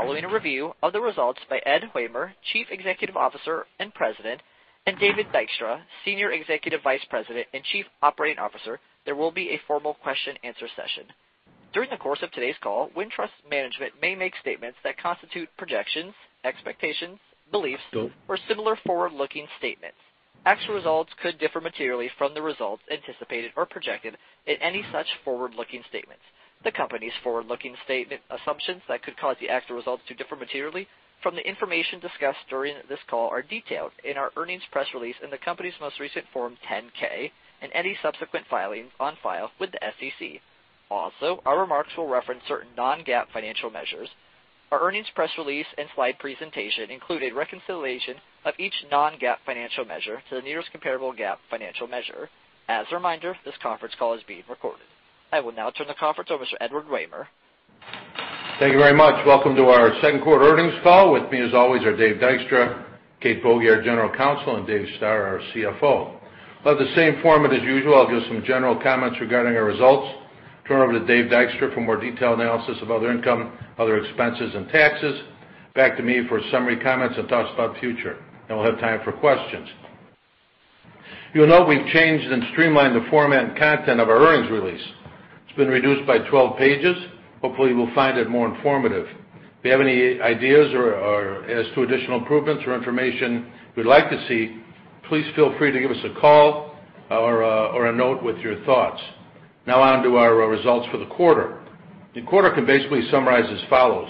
Following a review of the results by Ed Wehmer, Chief Executive Officer and President, and David Dykstra, Senior Executive Vice President and Chief Operating Officer, there will be a formal question-and-answer session. During the course of today's call, Wintrust management may make statements that constitute projections, expectations, beliefs, or similar forward-looking statements. Actual results could differ materially from the results anticipated or projected in any such forward-looking statements. The company's forward-looking statement assumptions that could cause the actual results to differ materially from the information discussed during this call are detailed in our earnings press release in the company's most recent Form 10-K and any subsequent filings on file with the SEC. Also, our remarks will reference certain non-GAAP financial measures. Our earnings press release and slide presentation include a reconciliation of each non-GAAP financial measure to the nearest comparable GAAP financial measure. As a reminder, this conference call is being recorded. I will now turn the conference over to Edward Wehmer. Thank you very much. Welcome to our second quarter earnings call. With me, as always, are Dave Dykstra, Kate Boege, General Counsel, and Dave Stoehr, our CFO. We'll have the same format as usual. I'll give some general comments regarding our results, turn over to Dave Dykstra for more detailed analysis of other income, other expenses, and taxes. Back to me for summary comments and thoughts about the future. Then we'll have time for questions. You'll note we've changed and streamlined the format and content of our earnings release. It's been reduced by 12 pages. Hopefully, you will find it more informative. If you have any ideas as to additional improvements or information you would like to see, please feel free to give us a call or a note with your thoughts. Now on to our results for the quarter. The quarter can basically be summarized as follows.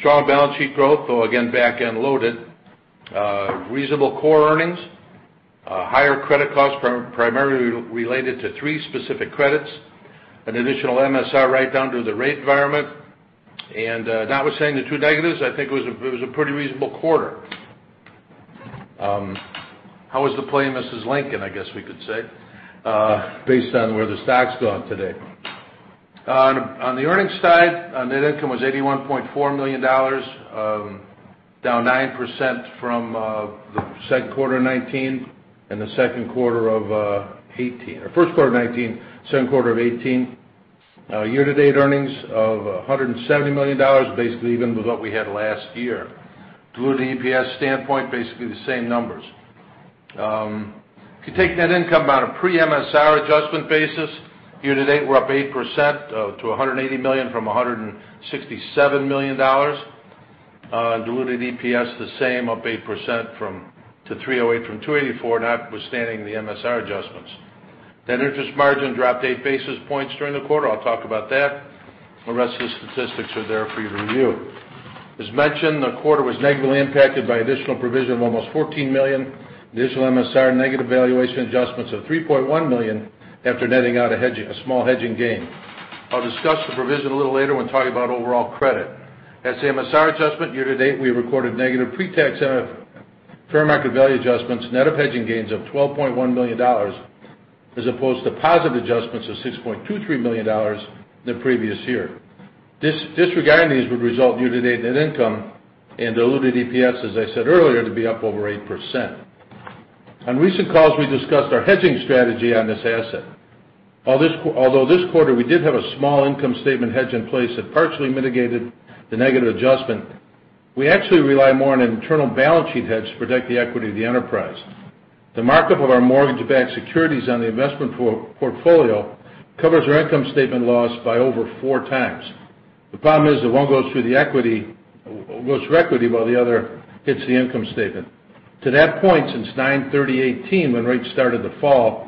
Strong balance sheet growth, though again, back-end loaded. Reasonable core earnings. Higher credit costs primarily related to three specific credits. An additional MSR write-down due to the rate environment. Notwithstanding the two negatives, I think it was a pretty reasonable quarter. How was the play, Mrs. Lincoln, I guess we could say, based on where the stock's gone today. On the earnings side, net income was $81.4 million, down 9% from the first quarter of 2019, second quarter of 2018. Year-to-date earnings of $170 million, basically even with what we had last year. Diluted EPS standpoint, basically the same numbers. If you take net income on a pre-MSR adjustment basis, year to date, we're up 8% to $180 million from $167 million. Diluted EPS, the same, up 8% to $3.08 from $2.84, notwithstanding the MSR adjustments. Net interest margin dropped eight basis points during the quarter. I'll talk about that. The rest of the statistics are there for you to review. As mentioned, the quarter was negatively impacted by additional provision of almost $14 million. Additional MSR negative valuation adjustments of $3.1 million after netting out a small hedging gain. I'll discuss the provision a little later when talking about overall credit. As to MSR adjustment, year-to-date, we recorded negative pre-tax fair market value adjustments, net of hedging gains of $12.1 million, as opposed to positive adjustments of $6.23 million in the previous year. Disregarding these would result in year-to-date net income and diluted EPS, as I said earlier, to be up over 8%. On recent calls, we discussed our hedging strategy on this asset. This quarter we did have a small income statement hedge in place that partially mitigated the negative adjustment, we actually rely more on internal balance sheet hedge to protect the equity of the enterprise. The mark-up of our mortgage-backed securities on the investment portfolio covers our income statement loss by over four times. The problem is that one goes through the equity, goes to equity, while the other hits the income statement. To that point, since 09/30/2018, when rates started to fall,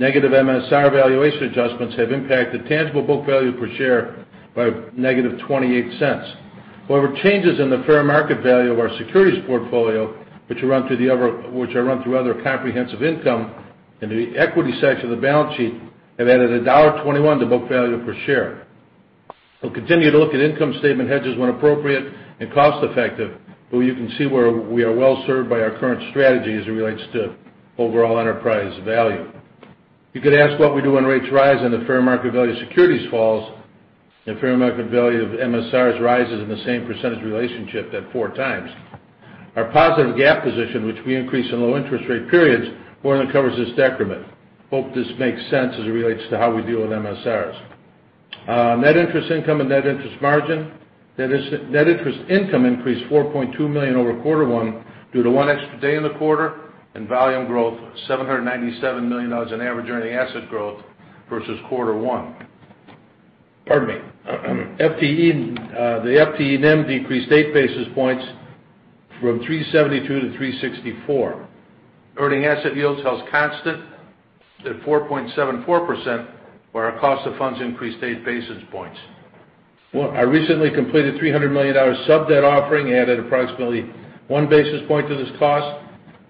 negative MSR valuation adjustments have impacted tangible book value per share by negative $0.28. Changes in the fair market value of our securities portfolio, which are run through other comprehensive income in the equity section of the balance sheet, have added $1.21 to book value per share. We'll continue to look at income statement hedges when appropriate and cost-effective. You can see where we are well-served by our current strategy as it relates to overall enterprise value. You could ask what we do when rates rise and the fair market value of securities falls, and fair market value of MSRs rises in the same percentage relationship at four times. Our positive gap position, which we increase in low interest rate periods, more than covers this decrement. Hope this makes sense as it relates to how we deal with MSRs. Net interest income and net interest margin. Net interest income increased to $4.2 million over quarter one due to one extra day in the quarter and volume growth of $797 million in average earning asset growth versus quarter one. Pardon me. The FTE then decreased 8 basis points from 372 to 364. Earning asset yields held constant at 4.74%, where our cost of funds increased eight basis points. Our recently completed $300 million sub-debt offering added approximately one basis point to this cost.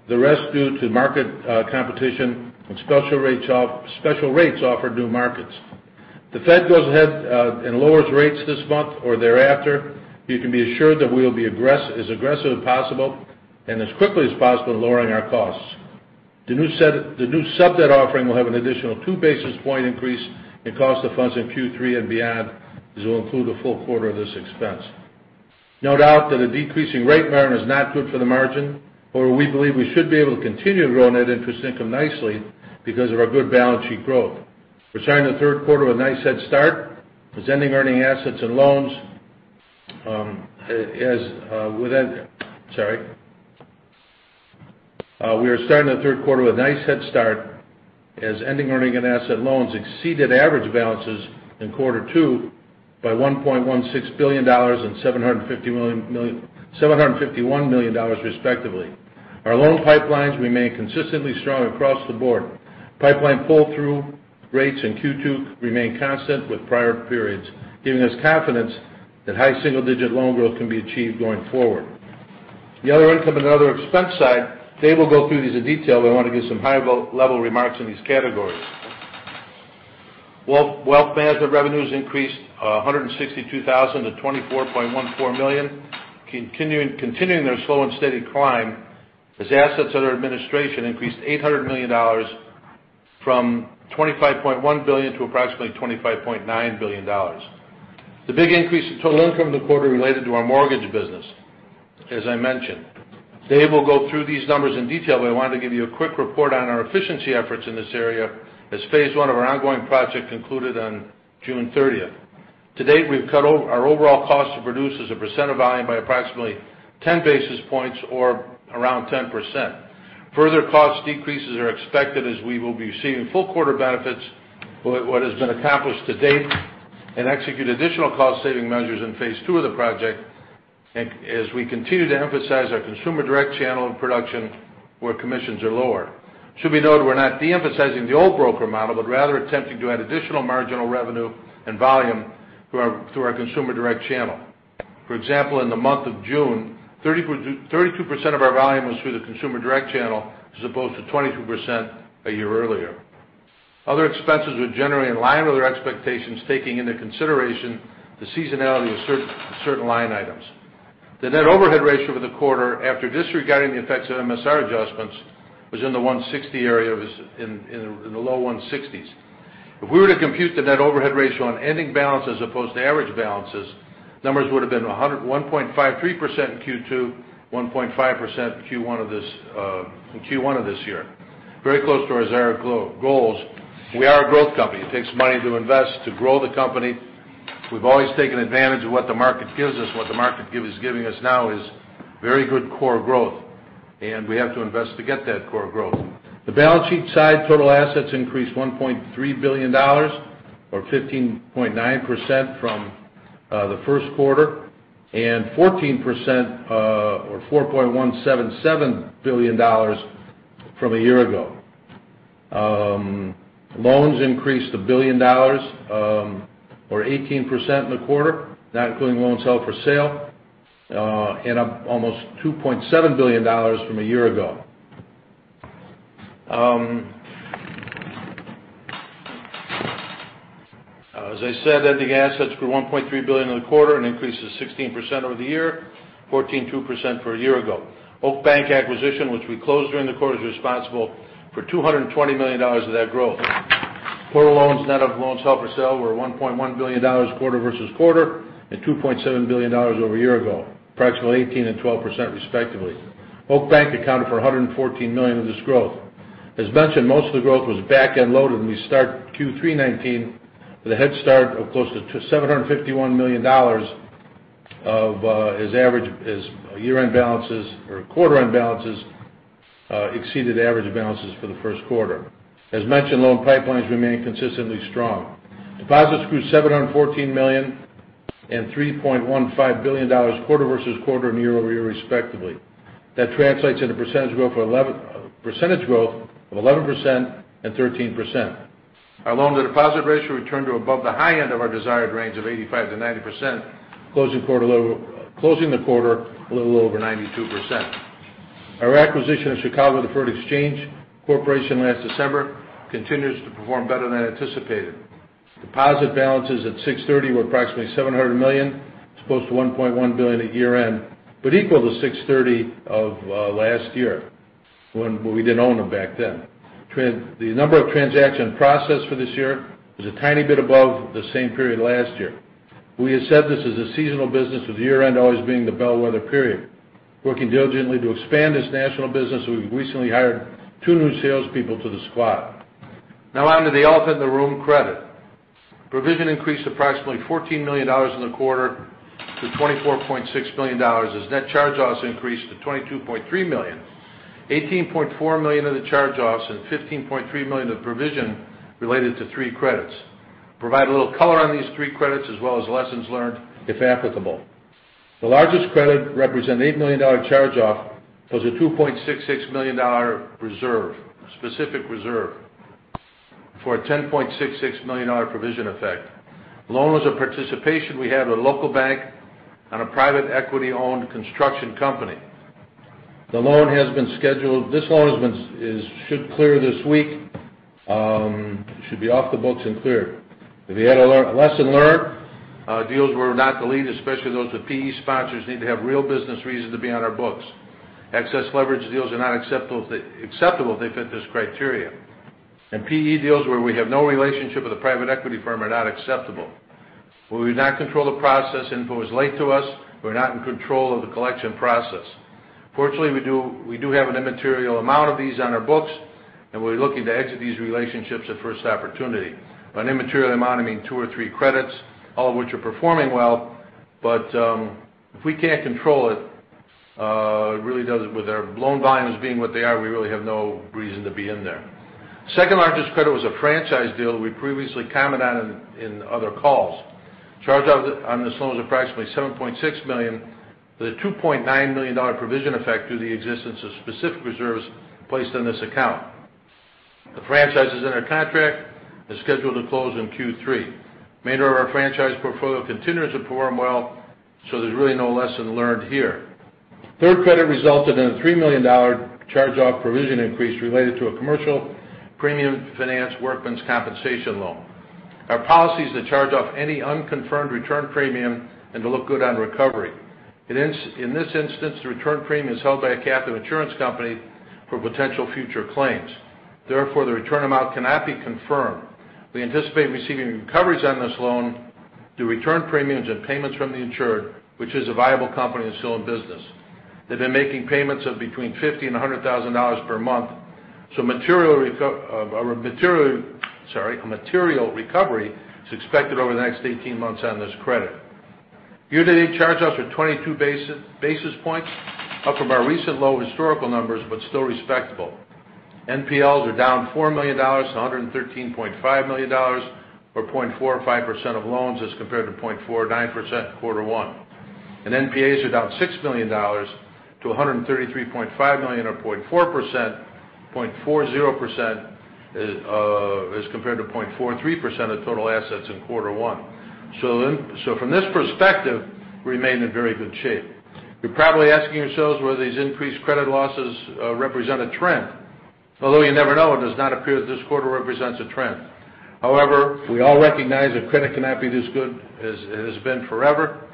The rest due to market competition and special rates offered new markets. If the Fed goes ahead and lowers rates this month or thereafter, you can be assured that we will be as aggressive as possible and as quickly as possible in lowering our costs. The new sub-debt offering will have an additional two basis point increase in cost of funds in Q3 and beyond, as we'll include a full quarter of this expense. No doubt that a decreasing rate environment is not good for the margin. We believe we should be able to continue to grow net interest income nicely because of our good balance sheet growth. We're starting the third quarter with a nice head start as ending earning assets and loans. We are starting the third quarter with a nice head start as ending earning and asset loans exceeded average balances in quarter two by $1.16 billion and $751 million respectively. Our loan pipelines remain consistently strong across the board. Pipeline pull-through rates in Q2 remain constant with prior periods, giving us confidence that high single-digit loan growth can be achieved going forward. The other income and other expense side, Dave will go through these in detail, but I want to give some high-level remarks in these categories. Wealth management revenues increased $162,000 to $24.14 million, continuing their slow and steady climb as assets under administration increased $800 million from $25.1 billion to approximately $25.9 billion. The big increase in total income in the quarter related to our mortgage business, as I mentioned. Dave will go through these numbers in detail, but I wanted to give you a quick report on our efficiency efforts in this area as phase one of our ongoing project concluded on June 30th. To date, we've cut our overall cost to produce as a percent of volume by approximately 10 basis points or around 10%. Further cost decreases are expected as we will be seeing full quarter benefits for what has been accomplished to date and execute additional cost-saving measures in phase two of the project as we continue to emphasize our consumer direct channel and production where commissions are lower. It should be noted we're not de-emphasizing the old broker model, but rather attempting to add additional marginal revenue and volume through our consumer direct channel. For example, in the month of June, 32% of our volume was through the consumer direct channel, as opposed to 22% a year earlier. Other expenses were generally in line with our expectations, taking into consideration the seasonality of certain line items. The net overhead ratio for the quarter, after disregarding the effects of MSR adjustments, was in the low 160s. If we were to compute the net overhead ratio on ending balance as opposed to average balances, numbers would have been 1.53% in Q2, 1.5% in Q1 of this year. Very close to our desired goals. We are a growth company. It takes money to invest to grow the company. We've always taken advantage of what the market gives us. What the market is giving us now is very good core growth, and we have to invest to get that core growth. The balance sheet side total assets increased $1.3 billion or 15.9% from the first quarter and 14% or $4.177 billion from a year ago. Loans increased $1 billion or 18% in the quarter, not including loans held for sale, and up almost $2.7 billion from a year ago. As I said, ending assets grew $1.3 billion in the quarter, an increase of 16% over the year, 14.2% for a year ago. Oak Bank acquisition, which we closed during the quarter, is responsible for $220 million of that growth. Core loans, net of loans held for sale, were $1.1 billion quarter versus quarter and $2.7 billion over a year ago, approximately 18% and 12% respectively. Oak Bank accounted for $114 million of this growth. We start Q3 2019 with a head start of close to $751 million as year-end balances or quarter-end balances exceeded average balances for the first quarter. As mentioned, loan pipelines remain consistently strong. Deposits grew $714 million and $3.15 billion quarter-versus-quarter and year-over-year, respectively. That translates into percentage growth of 11% and 13%. Our loan-to-deposit ratio returned to above the high end of our desired range of 85%-90%, closing the quarter a little over 92%. Our acquisition of Chicago Deferred Exchange Corporation last December continues to perform better than anticipated. Deposit balances at 6/30 were approximately $700 million, as opposed to $1.1 billion at year-end, but equal to 6/30 of last year when we didn't own them back then. The number of transactions processed for this year is a tiny bit above the same period last year. We have said this is a seasonal business with year-end always being the bellwether period. Working diligently to expand this national business, we recently hired two new salespeople to the squad. On to the elephant in the room, credit. Provision increased approximately $14 million in the quarter to $24.6 million as net charge-offs increased to $22.3 million. $18.4 million of the charge-offs and $15.3 million of provision related to three credits. Provide a little color on these three credits as well as lessons learned, if applicable. The largest credit represented an $8 million charge-off plus a $2.66 million reserve, specific reserve for a $10.66 million provision effect. Loan was a participation we had with a local bank on a private equity-owned construction company. This loan should clear this week. It should be off the books and cleared. If you had a lesson learned, deals where we're not the lead, especially those with PE sponsors, need to have real business reason to be on our books. Excess leverage deals are not acceptable if they fit this criteria. PE deals where we have no relationship with a private equity firm are not acceptable. We do not control the process. Info is late to us. We're not in control of the collection process. Fortunately, we do have an immaterial amount of these on our books, and we're looking to exit these relationships at first opportunity. By an immaterial amount, I mean two or three credits, all of which are performing well. If we can't control it, with our loan volumes being what they are, we really have no reason to be in there. Second largest credit was a franchise deal we previously commented on in other calls. Charge-off on this loan was approximately $7.6 million, with a $2.9 million provision effect through the existence of specific reserves placed on this account. The franchise is in our contract and scheduled to close in Q3. Matter of our franchise portfolio continues to perform well, so there's really no lesson learned here. Third credit resulted in a $3 million charge-off provision increase related to a commercial premium finance workmen's compensation loan. Our policy is to charge off any unconfirmed return premium and to look good on recovery. In this instance, the return premium is held by a captive insurance company for potential future claims. Therefore, the return amount cannot be confirmed. We anticipate receiving recoveries on this loan through return premiums and payments from the insured, which is a viable company and still in business. They've been making payments of between $50,000 and $100,000 per month. A material recovery is expected over the next 18 months on this credit. Year-to-date charge-offs are 22 basis points, up from our recent low historical numbers, but still respectable. NPLs are down $4 million to $113.5 million, or 0.45% of loans as compared to 0.49% in quarter one. NPAs are down $6 million to $133.5 million or 0.40% as compared to 0.43% of total assets in quarter one. From this perspective, we remain in very good shape. You're probably asking yourselves whether these increased credit losses represent a trend. You never know, it does not appear that this quarter represents a trend. We all recognize that credit cannot be this good as it has been forever.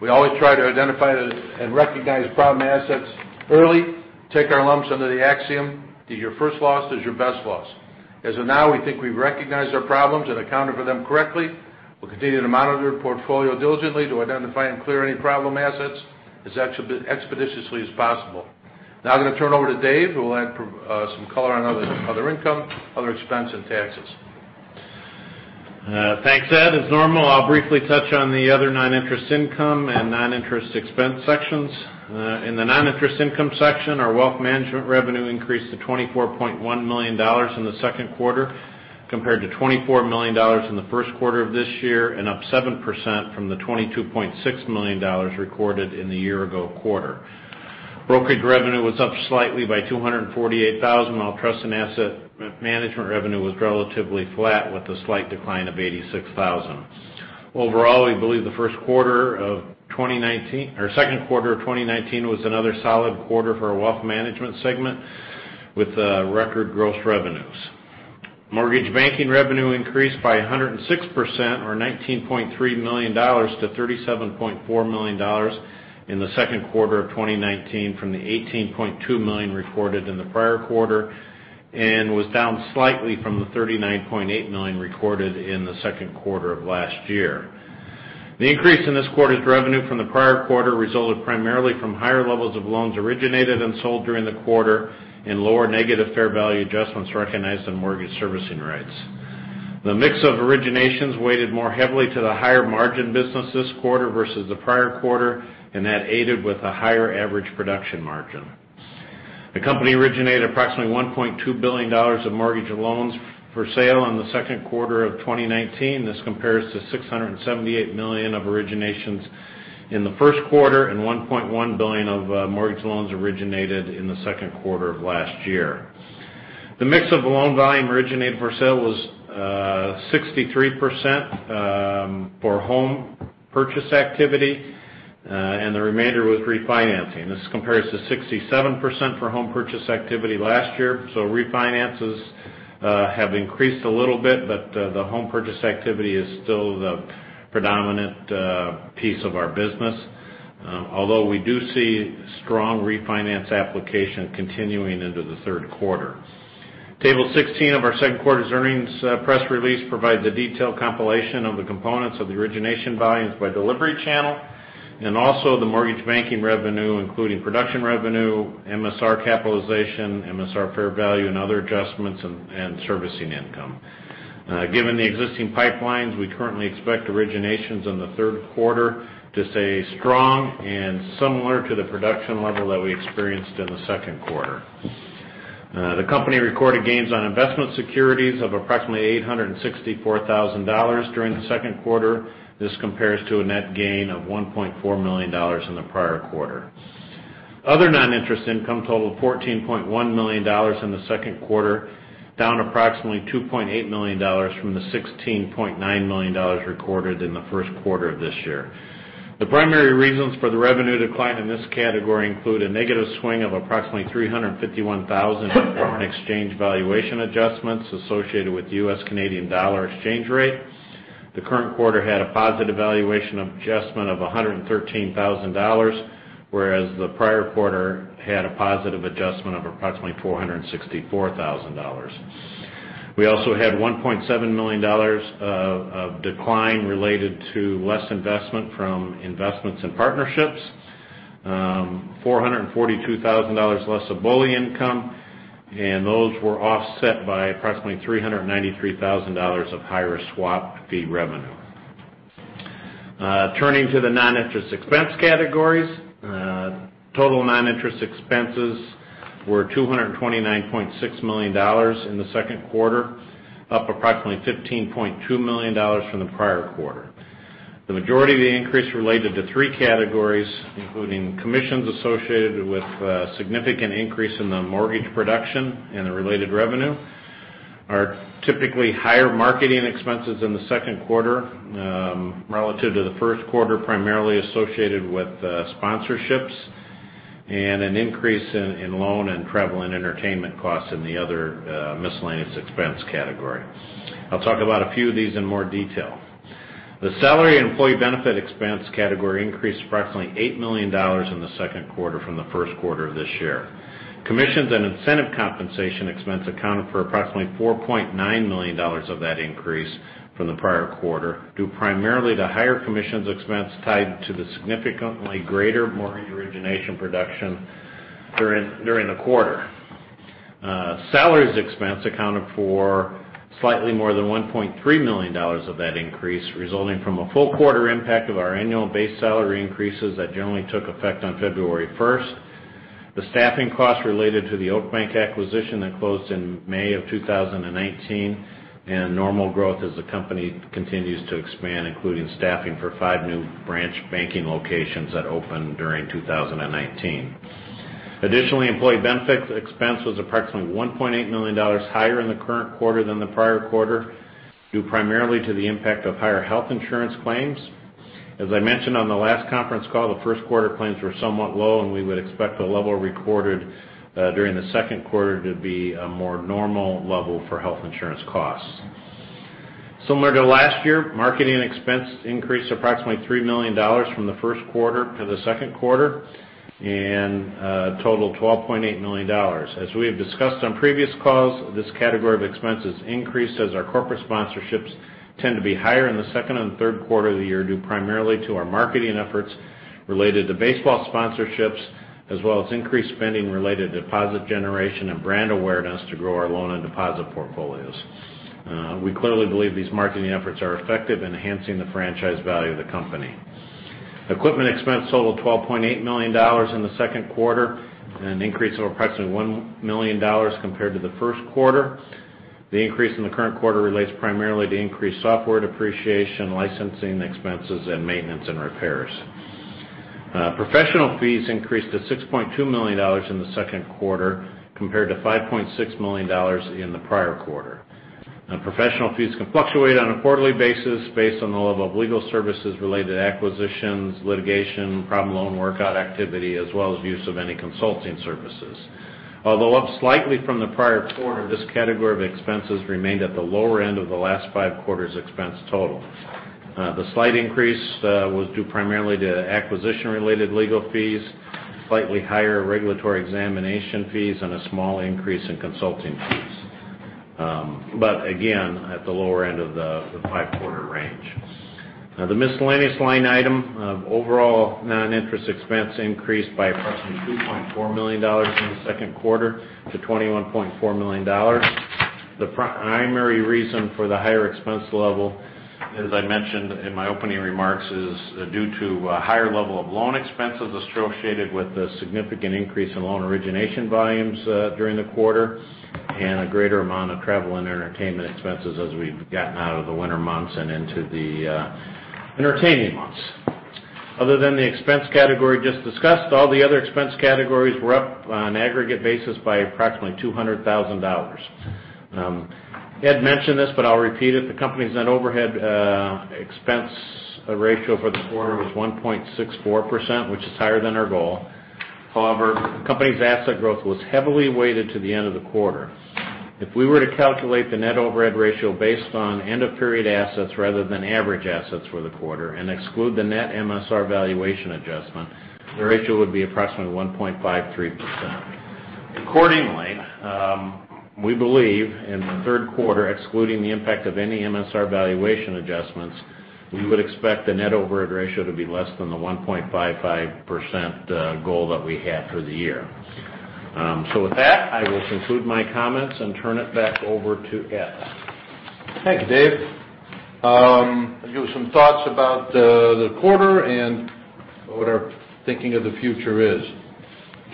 We always try to identify and recognize problem assets early, take our lumps under the axiom that your first loss is your best loss. As of now, we think we've recognized our problems and accounted for them correctly. We'll continue to monitor the portfolio diligently to identify and clear any problem assets as expeditiously as possible. I'm going to turn over to Dave, who will add some color on other income, other expense, and taxes. Thanks, Ed. As normal, I'll briefly touch on the other non-interest income and non-interest expense sections. In the non-interest income section, our wealth management revenue increased to $24.1 million in the second quarter, compared to $24 million in the first quarter of this year, and up 7% from the $22.6 million recorded in the year-ago quarter. Brokerage revenue was up slightly by $248,000 while trust and asset management revenue was relatively flat with a slight decline of $86,000. Overall, we believe the second quarter of 2019 was another solid quarter for our wealth management segment with record gross revenues. Mortgage banking revenue increased by 106%, or $19.3 million, to $37.4 million in the second quarter of 2019 from the $18.2 million reported in the prior quarter, and was down slightly from the $39.8 million recorded in the second quarter of last year. The increase in this quarter's revenue from the prior quarter resulted primarily from higher levels of loans originated and sold during the quarter and lower negative fair value adjustments recognized on mortgage servicing rights. The mix of originations weighted more heavily to the higher margin business this quarter versus the prior quarter. That aided with a higher average production margin. The company originated approximately $1.2 billion of mortgage loans for sale in the second quarter of 2019. This compares to $678 million of originations in the first quarter and $1.1 billion of mortgage loans originated in the second quarter of last year. The mix of loan volume originated for sale was 63% for home purchase activity. The remainder was refinancing. This compares to 67% for home purchase activity last year. Refinances have increased a little bit, but the home purchase activity is still the predominant piece of our business. Although we do see strong refinance application continuing into the third quarter. Table 16 of our second quarter's earnings press release provides a detailed compilation of the components of the origination volumes by delivery channel, and also the mortgage banking revenue, including production revenue, MSR capitalization, MSR fair value, and other adjustments and servicing income. Given the existing pipelines, we currently expect originations in the third quarter to stay strong and similar to the production level that we experienced in the second quarter. The company recorded gains on investment securities of approximately $864,000 during the second quarter. This compares to a net gain of $1.4 million in the prior quarter. Other non-interest income totaled $14.1 million in the second quarter, down approximately $2.8 million from the $16.9 million recorded in the first quarter of this year. The primary reasons for the revenue decline in this category include a negative swing of approximately $351,000 from foreign exchange valuation adjustments associated with the U.S.-Canadian dollar exchange rate. The current quarter had a positive valuation adjustment of $113,000, whereas the prior quarter had a positive adjustment of approximately $464,000. We also had $1.7 million of decline related to less investment from investments in partnerships, $442,000 less of BOLI income, and those were offset by approximately $393,000 of higher swap fee revenue. Turning to the non-interest expense categories. Total non-interest expenses were $229.6 million in the second quarter, up approximately $15.2 million from the prior quarter. The majority of the increase related to three categories, including commissions associated with a significant increase in the mortgage production and the related revenue, are typically higher marketing expenses in the second quarter relative to the first quarter, primarily associated with sponsorships, and an increase in loan and travel and entertainment costs in the other miscellaneous expense category. I'll talk about a few of these in more detail. The salary employee benefit expense category increased approximately $8 million in the second quarter from the first quarter of this year. Commissions and incentive compensation expense accounted for approximately $4.9 million of that increase from the prior quarter, due primarily to higher commissions expense tied to the significantly greater mortgage origination production during the quarter. Salaries expense accounted for slightly more than $1.3 million of that increase, resulting from a full quarter impact of our annual base salary increases that generally took effect on February 1st. The staffing costs related to the Oak Bank acquisition that closed in May of 2019, and normal growth as the company continues to expand, including staffing for five new branch banking locations that opened during 2019. Additionally, employee benefits expense was approximately $1.8 million higher in the current quarter than the prior quarter, due primarily to the impact of higher health insurance claims. As I mentioned on the last conference call, the first quarter claims were somewhat low, and we would expect the level recorded during the second quarter to be a more normal level for health insurance costs. Similar to last year, marketing expense increased approximately $3 million from the first quarter to the second quarter and totaled $12.8 million. As we have discussed on previous calls, this category of expenses increased as our corporate sponsorships tend to be higher in the second and third quarter of the year, due primarily to our marketing efforts related to baseball sponsorships, as well as increased spending related to deposit generation and brand awareness to grow our loan and deposit portfolios. We clearly believe these marketing efforts are effective in enhancing the franchise value of the company. Equipment expense totaled $12.8 million in the second quarter, an increase of approximately $1 million compared to the first quarter. The increase in the current quarter relates primarily to increased software depreciation, licensing expenses, and maintenance and repairs. Professional fees increased to $6.2 million in the second quarter, compared to $5.6 million in the prior quarter. Professional fees can fluctuate on a quarterly basis based on the level of legal services related to acquisitions, litigation, problem loan workout activity, as well as use of any consulting services. Although up slightly from the prior quarter, this category of expenses remained at the lower end of the last five quarters' expense total. The slight increase was due primarily to acquisition-related legal fees, slightly higher regulatory examination fees, and a small increase in consulting fees. Again, at the lower end of the five-quarter range. The miscellaneous line item of overall non-interest expense increased by approximately $2.4 million in the second quarter to $21.4 million. The primary reason for the higher expense level, as I mentioned in my opening remarks, is due to a higher level of loan expenses associated with the significant increase in loan origination volumes during the quarter and a greater amount of travel and entertainment expenses as we've gotten out of the winter months and into the entertaining months. Other than the expense category just discussed, all the other expense categories were up on an aggregate basis by approximately $200,000. Ed mentioned this, I'll repeat it. The company's net overhead expense ratio for the quarter was 1.64%, which is higher than our goal. However, the company's asset growth was heavily weighted to the end of the quarter. If we were to calculate the net overhead ratio based on end-of-period assets rather than average assets for the quarter and exclude the net MSR valuation adjustment, the ratio would be approximately 1.53%. Accordingly, we believe in the third quarter, excluding the impact of any MSR valuation adjustments, we would expect the net overhead ratio to be less than the 1.55% goal that we had for the year. With that, I will conclude my comments and turn it back over to Ed. Thank you, Dave. I'll give you some thoughts about the quarter and what our thinking of the future is.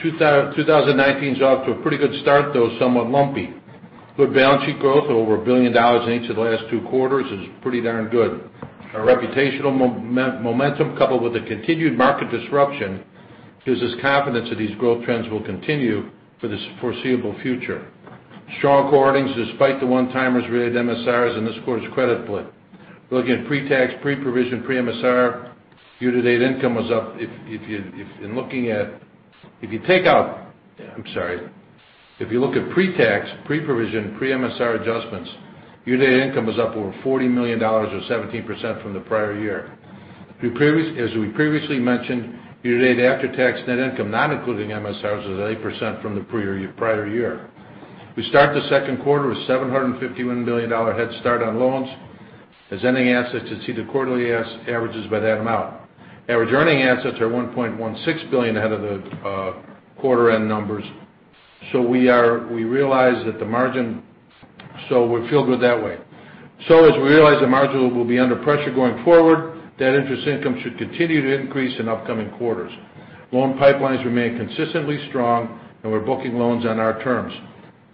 2019's off to a pretty good start, though somewhat lumpy. Good balance sheet growth of over $1 billion in each of the last two quarters is pretty darn good. Our reputational momentum, coupled with the continued market disruption, gives us confidence that these growth trends will continue for the foreseeable future. Strong earnings despite the one-timers related to MSRs and this quarter's credit flip. Looking at pre-tax, pre-provision, pre-MSR, year-to-date income. I'm sorry. If you look at pre-tax, pre-provision, pre-MSR adjustments, year-to-date income was up over $40 million or 17% from the prior year. As we previously mentioned, year-to-date after-tax net income, not including MSRs, was 8% from the prior year. We start the second quarter with $751 million head start on loans. As ending assets, you'd see the quarterly averages by that amount. Average earning assets are $1.16 billion ahead of the quarter end numbers. So we are—we realize that the margin so we feel good that way. As we realize the margin will be under pressure going forward, that interest income should continue to increase in upcoming quarters. Loan pipelines remain consistently strong, and we're booking loans on our terms.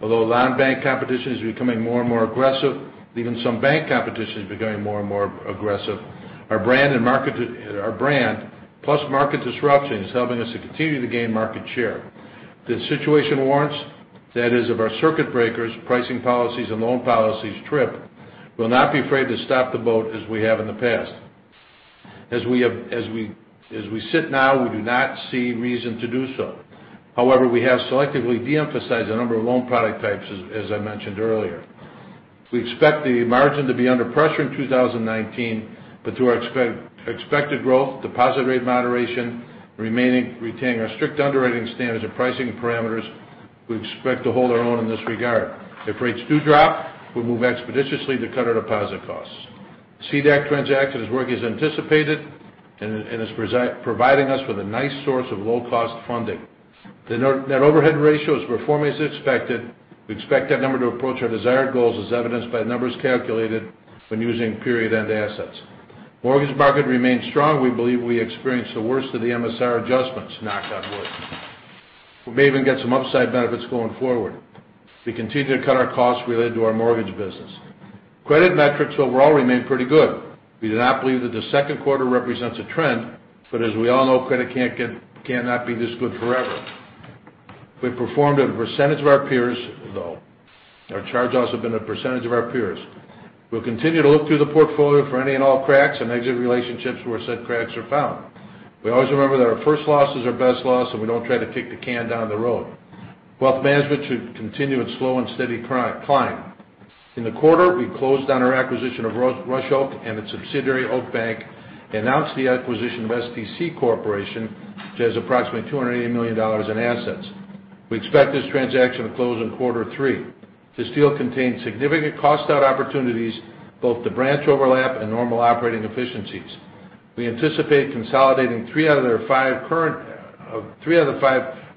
Although non-bank competition is becoming more and more aggressive, even some bank competition is becoming more and more aggressive. Our brand, plus market disruption, is helping us to continue to gain market share. If the situation warrants, that is if our circuit breakers, pricing policies, and loan policies trip, we'll not be afraid to stop the boat as we have in the past. As we sit now, we do not see reason to do so. However, we have selectively de-emphasized a number of loan product types, as I mentioned earlier. We expect the margin to be under pressure in 2019, through our expected growth, deposit rate moderation, retaining our strict underwriting standards and pricing parameters, we expect to hold our own in this regard. If rates do drop, we'll move expeditiously to cut our deposit costs. CDEC transaction is working as anticipated and is providing us with a nice source of low-cost funding. The net overhead ratio is performing as expected. We expect that number to approach our desired goals, as evidenced by the numbers calculated when using period-end assets. Mortgage market remains strong. We believe we experienced the worst of the MSR adjustments, knock on wood. We may even get some upside benefits going forward. We continue to cut our costs related to our mortgage business. Credit metrics overall remain pretty good. We do not believe that the second quarter represents a trend, as we all know, credit cannot be this good forever. We've performed at a percentage of our peers, though our charge-offs have been a percentage of our peers. We'll continue to look through the portfolio for any and all cracks and exit relationships where said cracks are found. We always remember that our first loss is our best loss, and we don't try to kick the can down the road. Wealth management should continue its slow and steady climb. In the quarter, we closed on our acquisition of Rush-Oak and its subsidiary Oak Bank, announced the acquisition of STC Bancshares Corp., which has approximately $280 million in assets. We expect this transaction to close in quarter three. This deal contains significant cost out opportunities, both the branch overlap and normal operating efficiencies. We anticipate consolidating three out of the five current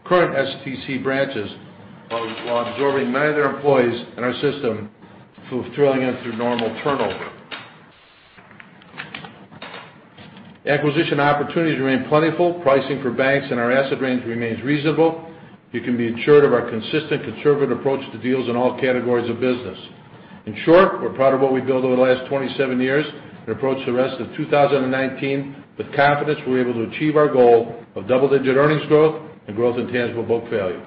STC branches while absorbing nine of their employees in our system through normal turnover. Acquisition opportunities remain plentiful. Pricing for banks in our asset range remains reasonable. You can be assured of our consistent conservative approach to deals in all categories of business. In short, we're proud of what we've built over the last 27 years and approach the rest of 2019 with confidence we're able to achieve our goal of double-digit earnings growth and growth in tangible book value.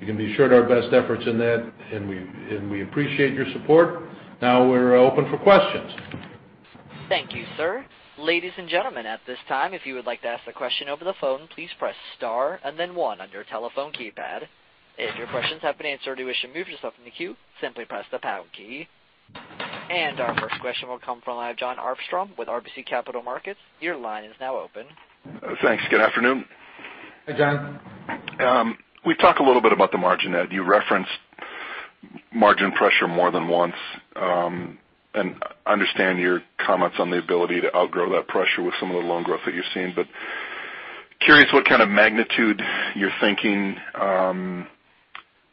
You can be assured our best efforts in that, and we appreciate your support. Now we're open for questions. Thank you, sir. Ladies and gentlemen, at this time, if you would like to ask a question over the phone, please press star and then one on your telephone keypad. If your questions have been answered or you wish to move yourself in the queue, simply press the pound key. Our first question will come from Jon Arfstrom with RBC Capital Markets. Your line is now open. Thanks. Good afternoon. Hi, Jon. We've talked a little bit about the margin. You referenced margin pressure more than once. I understand your comments on the ability to outgrow that pressure with some of the loan growth that you're seeing, but curious what kind of magnitude you're thinking.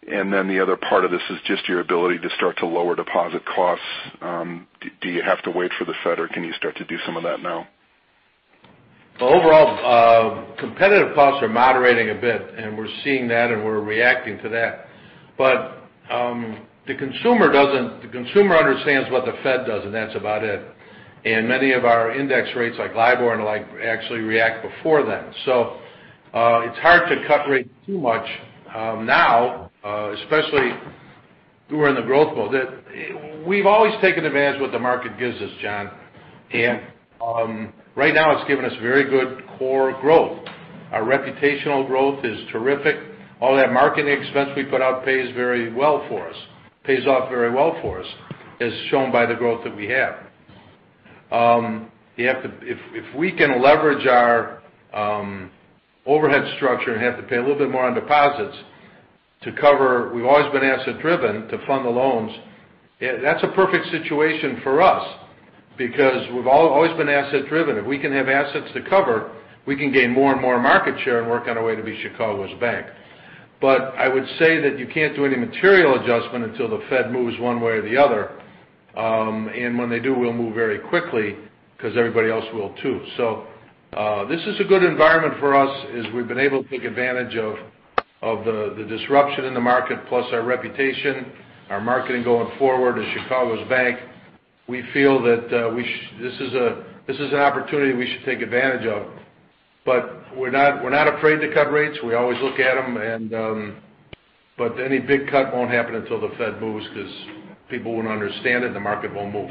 Then the other part of this is just your ability to start to lower deposit costs. Do you have to wait for the Fed, or can you start to do some of that now? Overall, competitive costs are moderating a bit, and we're seeing that and we're reacting to that. The consumer understands what the Fed does, and that's about it. Many of our index rates, like LIBOR and the like, actually react before then. It's hard to cut rates too much now, especially when we're in the growth mode. We've always taken advantage of what the market gives us, Jon. Right now it's given us very good core growth. Our reputational growth is terrific. All that marketing expense we put out pays off very well for us, as shown by the growth that we have. If we can leverage our overhead structure and have to pay a little bit more on deposits to cover. We've always been asset driven to fund the loans. That's a perfect situation for us because we've always been asset driven. If we can have assets to cover, we can gain more and more market share and work on a way to be Chicago's bank. I would say that you can't do any material adjustment until the Fed moves one way or the other. When they do, we'll move very quickly because everybody else will too. This is a good environment for us as we've been able to take advantage of the disruption in the market, plus our reputation, our marketing going forward as Chicago's bank. We feel that this is an opportunity we should take advantage of. We're not afraid to cut rates. We always look at them. Any big cut won't happen until the Fed moves because people won't understand it, and the market won't move.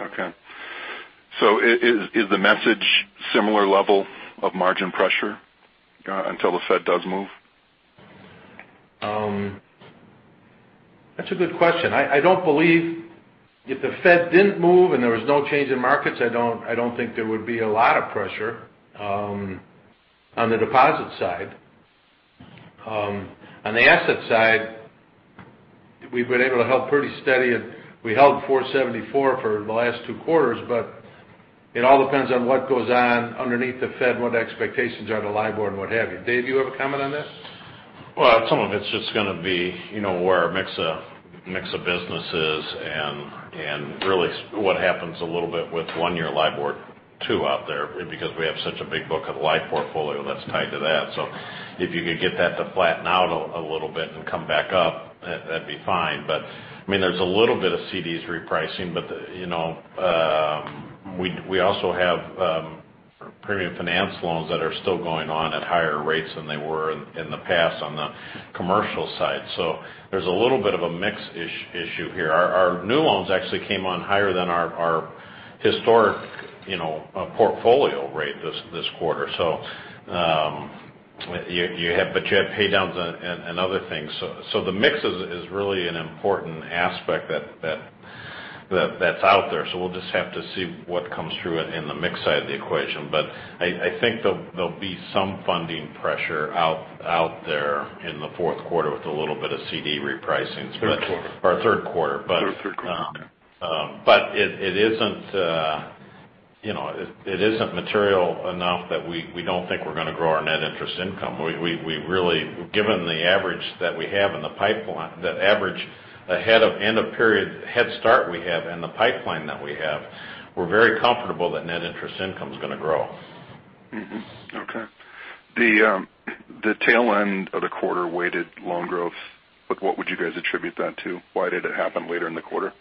Okay. Is the message similar level of margin pressure until the Fed does move? That's a good question. I don't believe if the Fed didn't move and there was no change in markets, I don't think there would be a lot of pressure on the deposit side. On the asset side, we've been able to help pretty steady. We held 4.74% for the last two quarters, but it all depends on what goes on underneath the Fed, what the expectations are, the LIBOR, and what have you. Dave, you have a comment on this? Some of it's just going to be where our mix of business is and really what happens a little bit with one-year LIBOR too out there, because we have such a big book of life portfolio that's tied to that. If you could get that to flatten out a little bit and come back up, that'd be fine. There's a little bit of CDs repricing. We also have premium finance loans that are still going on at higher rates than they were in the past on the commercial side. There's a little bit of a mix issue here. Our new loans actually came on higher than our historic portfolio rate this quarter. You have pay downs and other things. The mix is really an important aspect that's out there. We'll just have to see what comes through in the mix side of the equation. I think there'll be some funding pressure out there in the fourth quarter with a little bit of CD repricing. Third quarter. third quarter. Third quarter. It isn't material enough that we don't think we're going to grow our net interest income. Given the average that we have in the pipeline, that average end of period head start we have and the pipeline that we have, we're very comfortable that net interest income is going to grow. Okay. The tail end of the quarter weighted loan growth. What would you guys attribute that to? Why did it happen later in the quarter?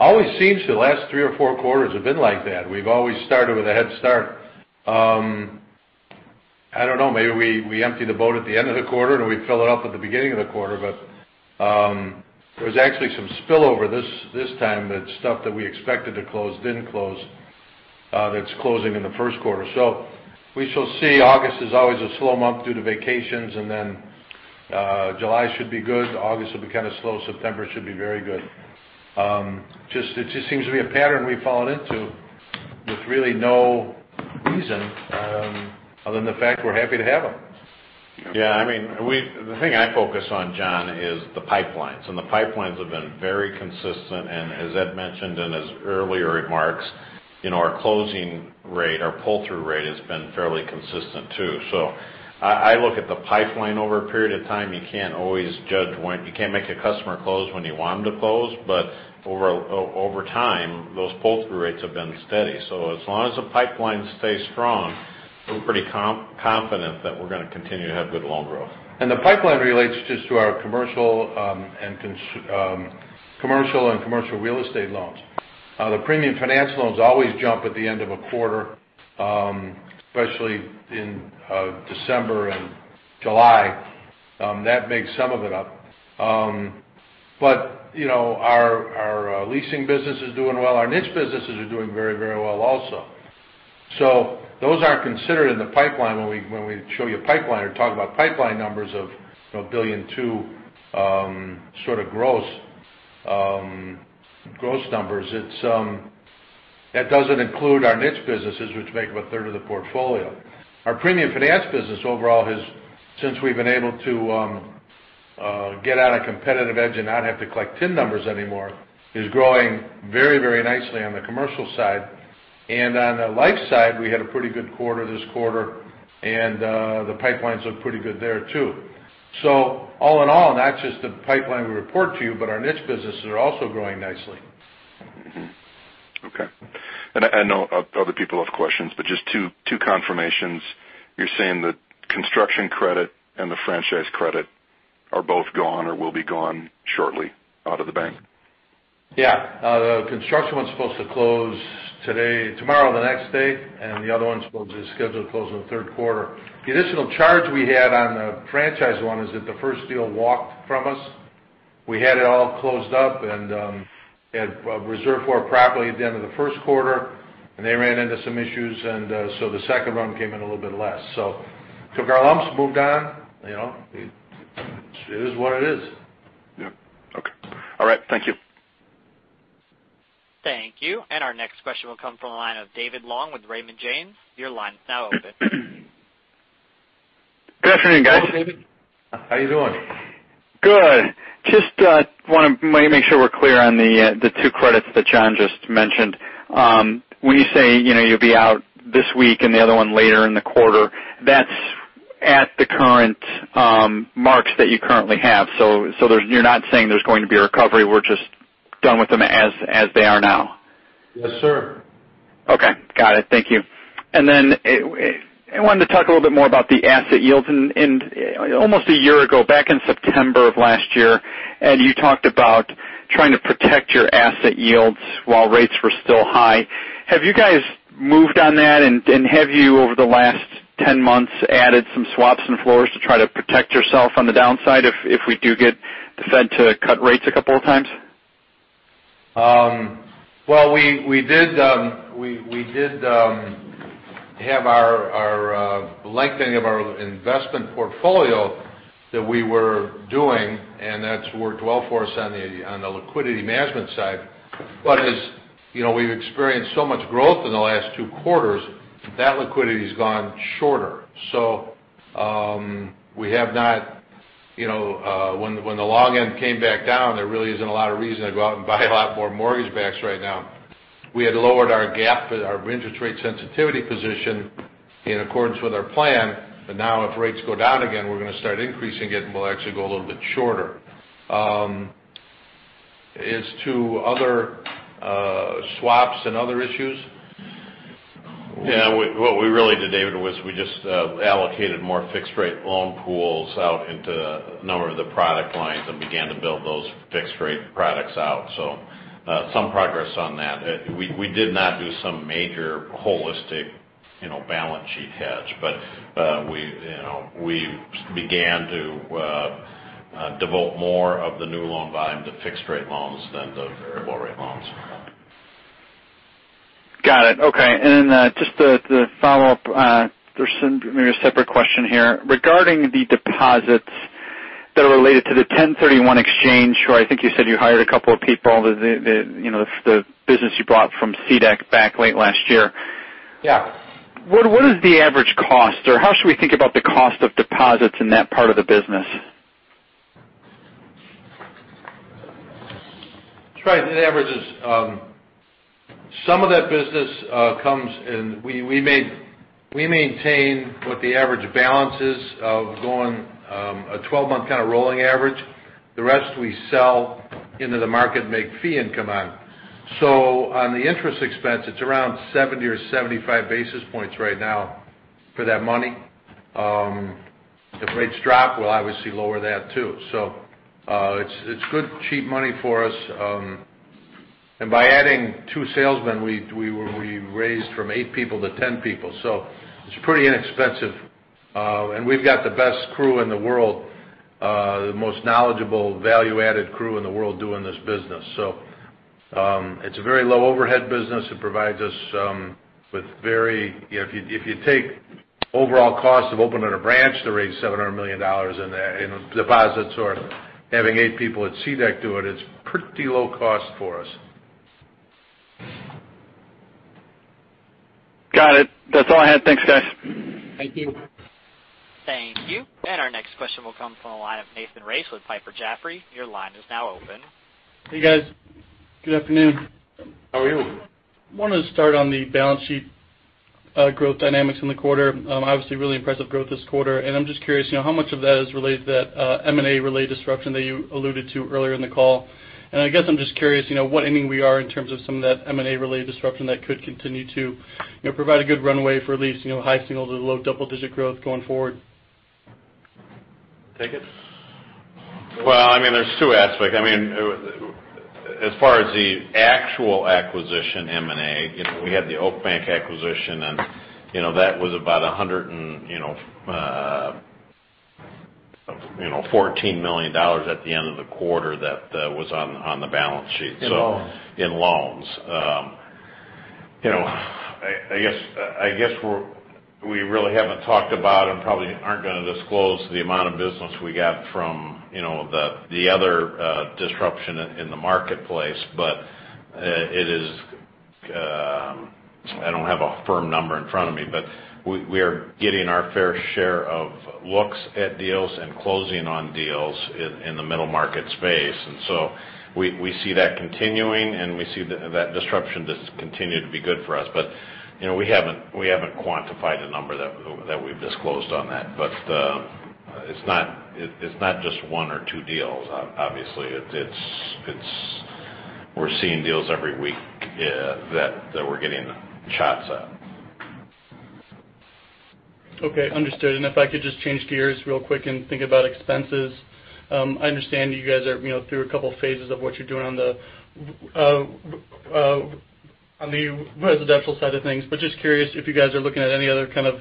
Always seems the last three or four quarters have been like that. We've always started with a head start. I don't know, maybe we empty the boat at the end of the quarter, and we fill it up at the beginning of the quarter, but there's actually some spillover this time that stuff that we expected to close didn't close, that's closing in the first quarter. We shall see. August is always a slow month due to vacations, and then July should be good. August will be kind of slow. September should be very good. It just seems to be a pattern we've fallen into with really no reason other than the fact we're happy to have them. Yeah. The thing I focus on, Jon, is the pipelines. The pipelines have been very consistent, and as Ed mentioned in his earlier remarks, our closing rate, our pull-through rate, has been fairly consistent, too. I look at the pipeline over a period of time. You can't make a customer close when you want them to close, but over time, those pull-through rates have been steady. As long as the pipeline stays strong, we're pretty confident that we're going to continue to have good loan growth. The pipeline relates just to our commercial and commercial real estate loans. The premium finance loans always jump at the end of a quarter, especially in December and July. That makes some of it up. Our leasing business is doing well. Our niche businesses are doing very well also. Those aren't considered in the pipeline when we show you pipeline or talk about pipeline numbers of $1.2 billion sort of gross numbers. That doesn't include our niche businesses, which make up a third of the portfolio. Our premium finance business overall has, since we've been able to get on a competitive edge and not have to collect TIN numbers anymore, is growing very nicely on the commercial side. On the life side, we had a pretty good quarter this quarter, and the pipelines look pretty good there, too. All in all, not just the pipeline we report to you, but our niche businesses are also growing nicely. Okay. I know other people have questions, just two confirmations. You're saying that construction credit and the franchise credit are both gone or will be gone shortly out of the bank? Yeah. The construction one's supposed to close tomorrow, the next day, and the other one's supposed to be scheduled to close in the third quarter. The additional charge we had on the franchise one is that the first deal walked from us. We had it all closed up and had reserved for it properly at the end of the first quarter, and they ran into some issues, and so the second run came in a little bit less. Took our lumps, moved on. It is what it is. Yeah. Okay. All right. Thank you. Thank you. Our next question will come from the line of David Long with Raymond James. Your line is now open. Good afternoon, guys. Hello, David. How are you doing? Good. Just want to make sure we're clear on the two credits that Jon just mentioned. When you say you'll be out this week and the other one later in the quarter, that's at the current marks that you currently have. You're not saying there's going to be a recovery. We're just done with them as they are now. Yes, sir. Okay. Got it. Thank you. I wanted to talk a little bit more about the asset yields. Almost a year ago, back in September of last year, Ed, you talked about trying to protect your asset yields while rates were still high. Have you guys moved on that, and have you, over the last 10 months, added some swaps and floors to try to protect yourself on the downside if we do get the Fed to cut rates a couple of times? Well, we did have our lengthening of our investment portfolio that we were doing, and that's worked well for us on the liquidity management side. As we've experienced so much growth in the last two quarters, that liquidity's gone shorter. We have not When the long end came back down, there really isn't a lot of reason to go out and buy a lot more mortgage backs right now. We had lowered our gap, our interest rate sensitivity position, in accordance with our plan. Now if rates go down again, we're going to start increasing it, and we'll actually go a little bit shorter. As to other swaps and other issues? Yeah. What we really did, David, was we just allocated more fixed rate loan pools out into a number of the product lines and began to build those fixed rate products out. Some progress on that. We did not do some major holistic balance sheet hedge. We began to devote more of the new loan volume to fixed rate loans than the variable rate loans. Got it. Okay. Just to follow up, there's maybe a separate question here. Regarding the deposits that are related to the 1031 exchange, Troy, I think you said you hired a couple of people, the business you bought from CDEC back late last year. Yeah. What is the average cost? How should we think about the cost of deposits in that part of the business? That's right. It averages. Some of that business comes and we maintain what the average balance is of going a 12-month kind of rolling average. The rest we sell into the market and make fee income on. On the interest expense, it's around 70 or 75 basis points right now for that money. If rates drop, we'll obviously lower that too. It's good, cheap money for us. By adding two salesmen, we raised from eight people to 10 people. It's pretty inexpensive. We've got the best crew in the world, the most knowledgeable value-added crew in the world doing this business. It's a very low overhead business. If you take overall cost of opening a branch to raise $700 million in deposits or having eight people at CDEC do it's pretty low cost for us. Got it. That's all I had. Thanks, guys. Thank you. Thank you. Our next question will come from the line of Nathan Race with Piper Jaffray. Your line is now open. Hey, guys. Good afternoon. How are you? Wanted to start on the balance sheet growth dynamics in the quarter. Obviously really impressive growth this quarter. I'm just curious, how much of that is related to that M&A-related disruption that you alluded to earlier in the call? I guess I'm just curious, what ending we are in terms of some of that M&A-related disruption that could continue to provide a good runway for at least high single to low double-digit growth going forward? Take it? Well, there's two aspects. As far as the actual acquisition M&A, we had the Oak Bank acquisition and that was about $114 million at the end of the quarter that was on the balance sheet. In loans. In loans. I guess we really haven't talked about and probably aren't going to disclose the amount of business we got from the other disruption in the marketplace. It is I don't have a firm number in front of me, but we are getting our fair share of looks at deals and closing on deals in the middle market space. We see that continuing, and we see that disruption just continue to be good for us. We haven't quantified a number that we've disclosed on that. It's not just one or two deals. Obviously, we're seeing deals every week that we're getting shots at. Okay. Understood. If I could just change gears real quick and think about expenses. I understand you guys are through a couple phases of what you're doing on the residential side of things, but just curious if you guys are looking at any other kind of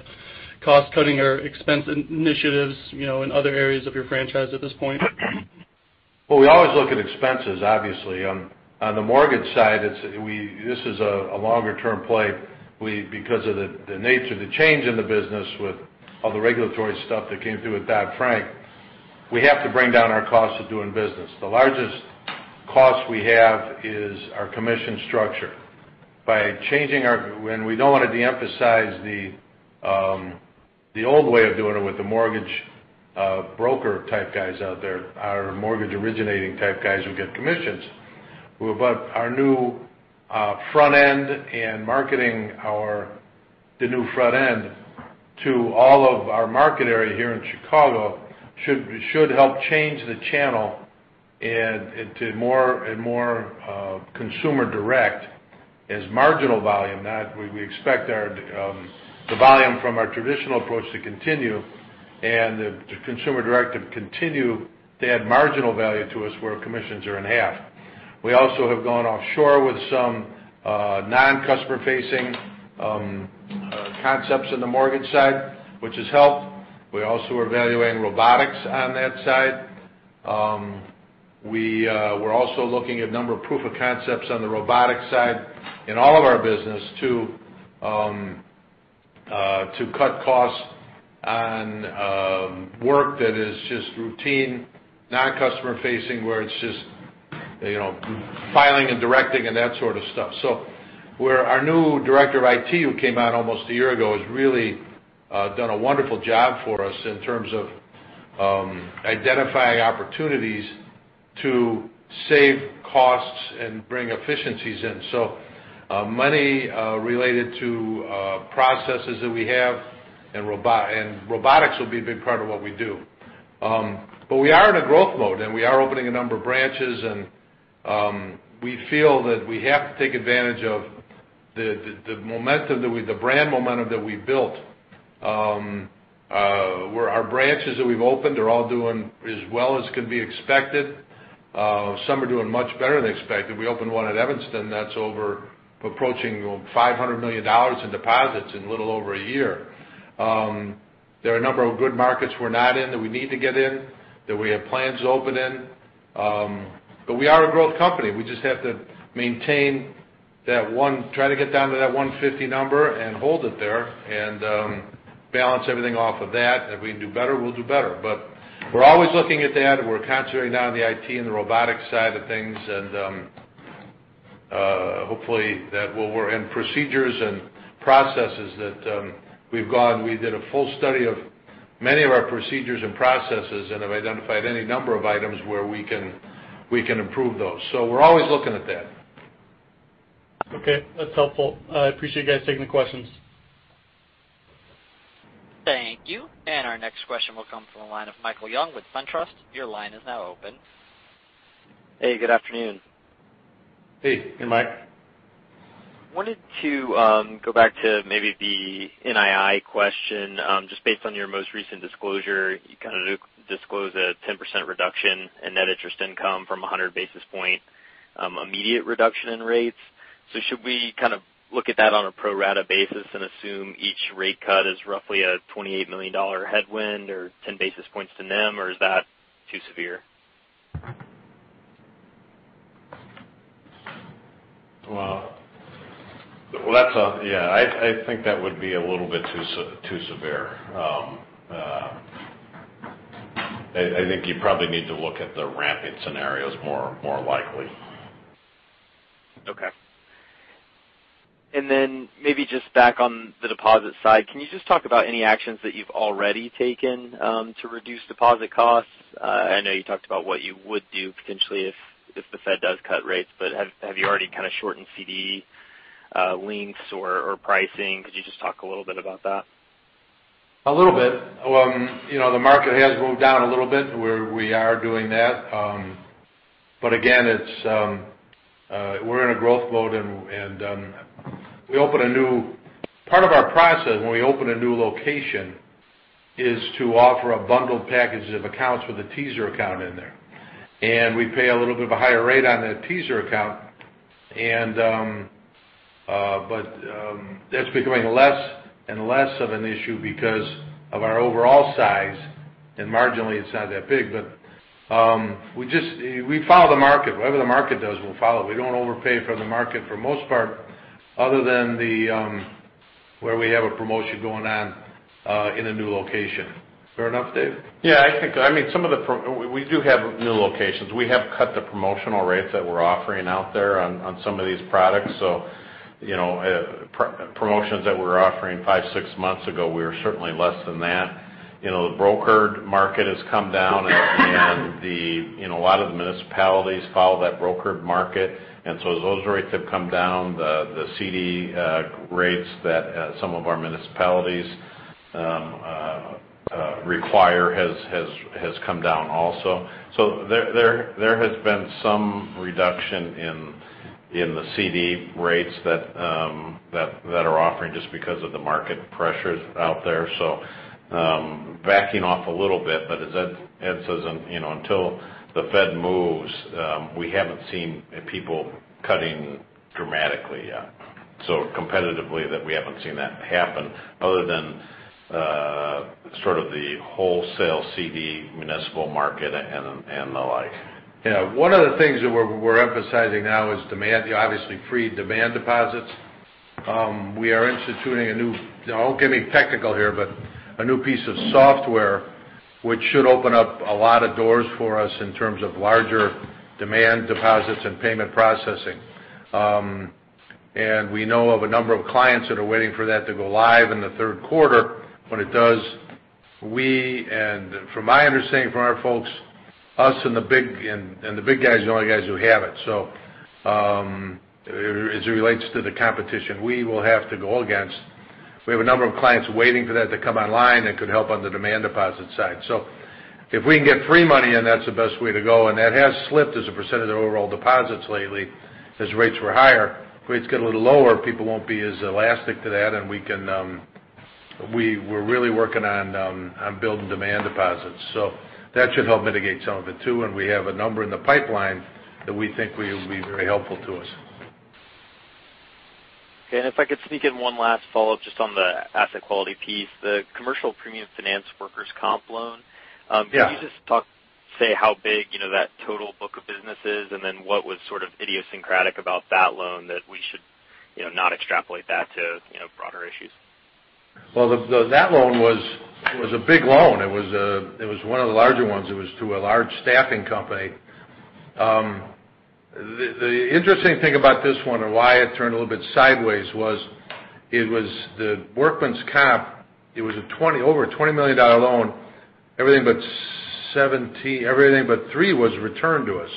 cost cutting or expense initiatives in other areas of your franchise at this point? We always look at expenses, obviously. On the mortgage side, this is a longer-term play because of the nature of the change in the business with all the regulatory stuff that came through with Dodd-Frank. We have to bring down our cost of doing business. The largest cost we have is our commission structure. We don't want to de-emphasize the old way of doing it with the mortgage broker type guys out there. Our mortgage originating type guys who get commissions. Our new front end and marketing the new front end to all of our market area here in Chicago should help change the channel into more and more consumer direct as marginal volume. We expect the volume from our traditional approach to continue and the consumer direct to continue to add marginal value to us, where commissions are in half. We also have gone offshore with some non-customer facing concepts in the mortgage side, which has helped. We're also evaluating robotics on that side. We're also looking at a number of proof of concepts on the robotics side in all of our business to cut costs on work that is just routine, non-customer facing, where it's just filing and directing and that sort of stuff. Our new director of IT, who came on almost a year ago, has really done a wonderful job for us in terms of identifying opportunities to save costs and bring efficiencies in. Money related to processes that we have, and robotics will be a big part of what we do. We are in a growth mode, and we are opening a number of branches, and we feel that we have to take advantage of the brand momentum that we've built. Where our branches that we've opened are all doing as well as could be expected. Some are doing much better than expected. We opened one at Evanston that's approaching $500 million in deposits in a little over a year. There are a number of good markets we're not in that we need to get in, that we have plans to open in. We are a growth company. We just have to maintain that one, try to get down to that 150 number and hold it there and balance everything off of that. If we can do better, we'll do better. We're always looking at that, and we're concentrating now on the IT and the robotics side of things and hopefully that we'll. Procedures and processes that we've gone. We did a full study of many of our procedures and processes and have identified any number of items where we can improve those. We're always looking at that. Okay. That's helpful. I appreciate you guys taking the questions. Thank you. Our next question will come from the line of Michael Young with SunTrust. Your line is now open. Hey, good afternoon. Hey. Hey, Mike. Wanted to go back to maybe the NII question, just based on your most recent disclosure. You kind of disclosed a 10% reduction in net interest income from 100 basis points immediate reduction in rates. Should we kind of look at that on a pro rata basis and assume each rate cut is roughly a $28 million headwind or 10 basis points to NIM, or is that too severe? I think that would be a little bit too severe. I think you probably need to look at the ramping scenarios more likely. Maybe just back on the deposit side, can you just talk about any actions that you've already taken to reduce deposit costs? I know you talked about what you would do potentially if the Fed does cut rates, but have you already kind of shortened CD lengths or pricing? Could you just talk a little bit about that? A little bit. The market has moved down a little bit where we are doing that. Again, we're in a growth mode. part of our process when we open a new location is to offer a bundled package of accounts with a teaser account in there. We pay a little bit of a higher rate on that teaser account. That's becoming less and less of an issue because of our overall size, and marginally, it's not that big, but we follow the market. Whatever the market does, we'll follow. We don't overpay for the market for the most part, other than where we have a promotion going on in a new location. Fair enough, Dave? Yeah. We do have new locations. We have cut the promotional rates that we're offering out there on some of these products. Promotions that we were offering five, six months ago, we are certainly less than that. The brokered market has come down and a lot of the municipalities follow that brokered market. As those rates have come down, the CD rates that some of our municipalities require has come down also. There has been some reduction in the CD rates that are offering just because of the market pressures out there. Backing off a little bit, but as Ed says, until the Fed moves, we haven't seen people cutting dramatically yet. Competitively, we haven't seen that happen other than sort of the wholesale CD municipal market and the like. Yeah. One of the things that we're emphasizing now is demand. Obviously, free demand deposits. We are instituting a new, I'll get technical here, but a new piece of software which should open up a lot of doors for us in terms of larger demand deposits and payment processing. We know of a number of clients that are waiting for that to go live in the third quarter. When it does, from my understanding from our folks, us and the big guys are the only guys who have it. As it relates to the competition we will have to go against, we have a number of clients waiting for that to come online that could help on the demand deposit side. If we can get free money in, that's the best way to go, and that has slipped as a percentage of overall deposits lately as rates were higher. If rates get a little lower, people won't be as elastic to that, and we're really working on building demand deposits. That should help mitigate some of it, too, and we have a number in the pipeline that we think will be very helpful to us. Okay. If I could sneak in one last follow-up just on the asset quality piece, the commercial premium finance workers' comp loan. Yeah. Can you just say how big that total book of business is, and then what was sort of idiosyncratic about that loan that we should not extrapolate that to broader issues? Well, that loan was a big loan. It was one of the larger ones. It was to a large staffing company. The interesting thing about this one, or why it turned a little bit sideways, was it was the workers' comp. It was over a $20 million loan. Everything but three was returned to us,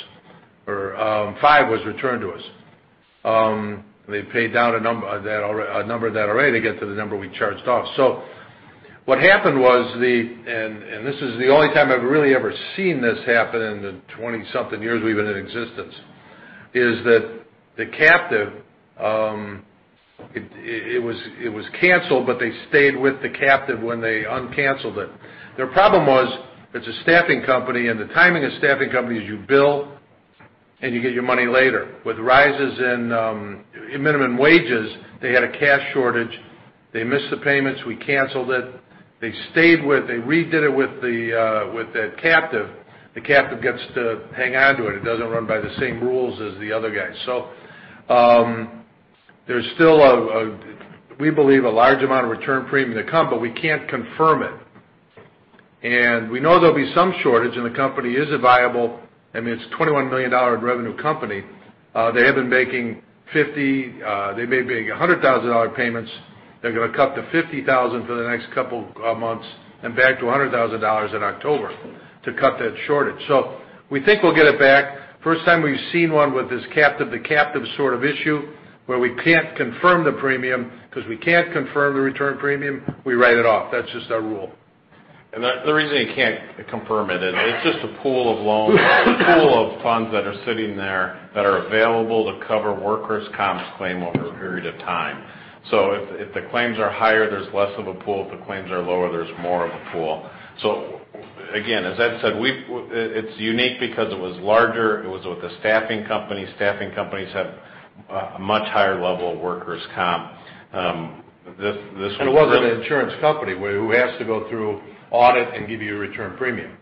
or five was returned to us. They paid down a number of that already to get to the number we charged off. What happened was, this is the only time I've really ever seen this happen in the 20-something years we've been in existence, is that the captive, it was canceled, but they stayed with the captive when they uncanceled it. Their problem was, it's a staffing company, the timing of staffing companies, you bill and you get your money later. With rises in minimum wages, they had a cash shortage. They missed the payments, we canceled it. They stayed with it. They redid it with that captive. The captive gets to hang on to it. It doesn't run by the same rules as the other guys. There's still, we believe, a large amount of return premium to come, but we can't confirm it. We know there'll be some shortage, the company is viable. I mean, it's a $21 million revenue company. They have been making $100,000 payments. They're going to cut to $50,000 for the next couple of months and back to $100,000 in October to cut that shortage. We think we'll get it back. First time we've seen one with this captive to captive sort of issue, where we can't confirm the premium because we can't confirm the return premium, we write it off. That's just our rule. The reason you can't confirm it is it's just a pool of loans, a pool of funds that are sitting there that are available to cover workers' comp claim over a period of time. If the claims are higher, there's less of a pool. If the claims are lower, there's more of a pool. Again, as Ed said, it's unique because it was larger. It was with a staffing company. Staffing companies have a much higher level of workers' comp. This was It wasn't an insurance company who has to go through audit and give you a return premium.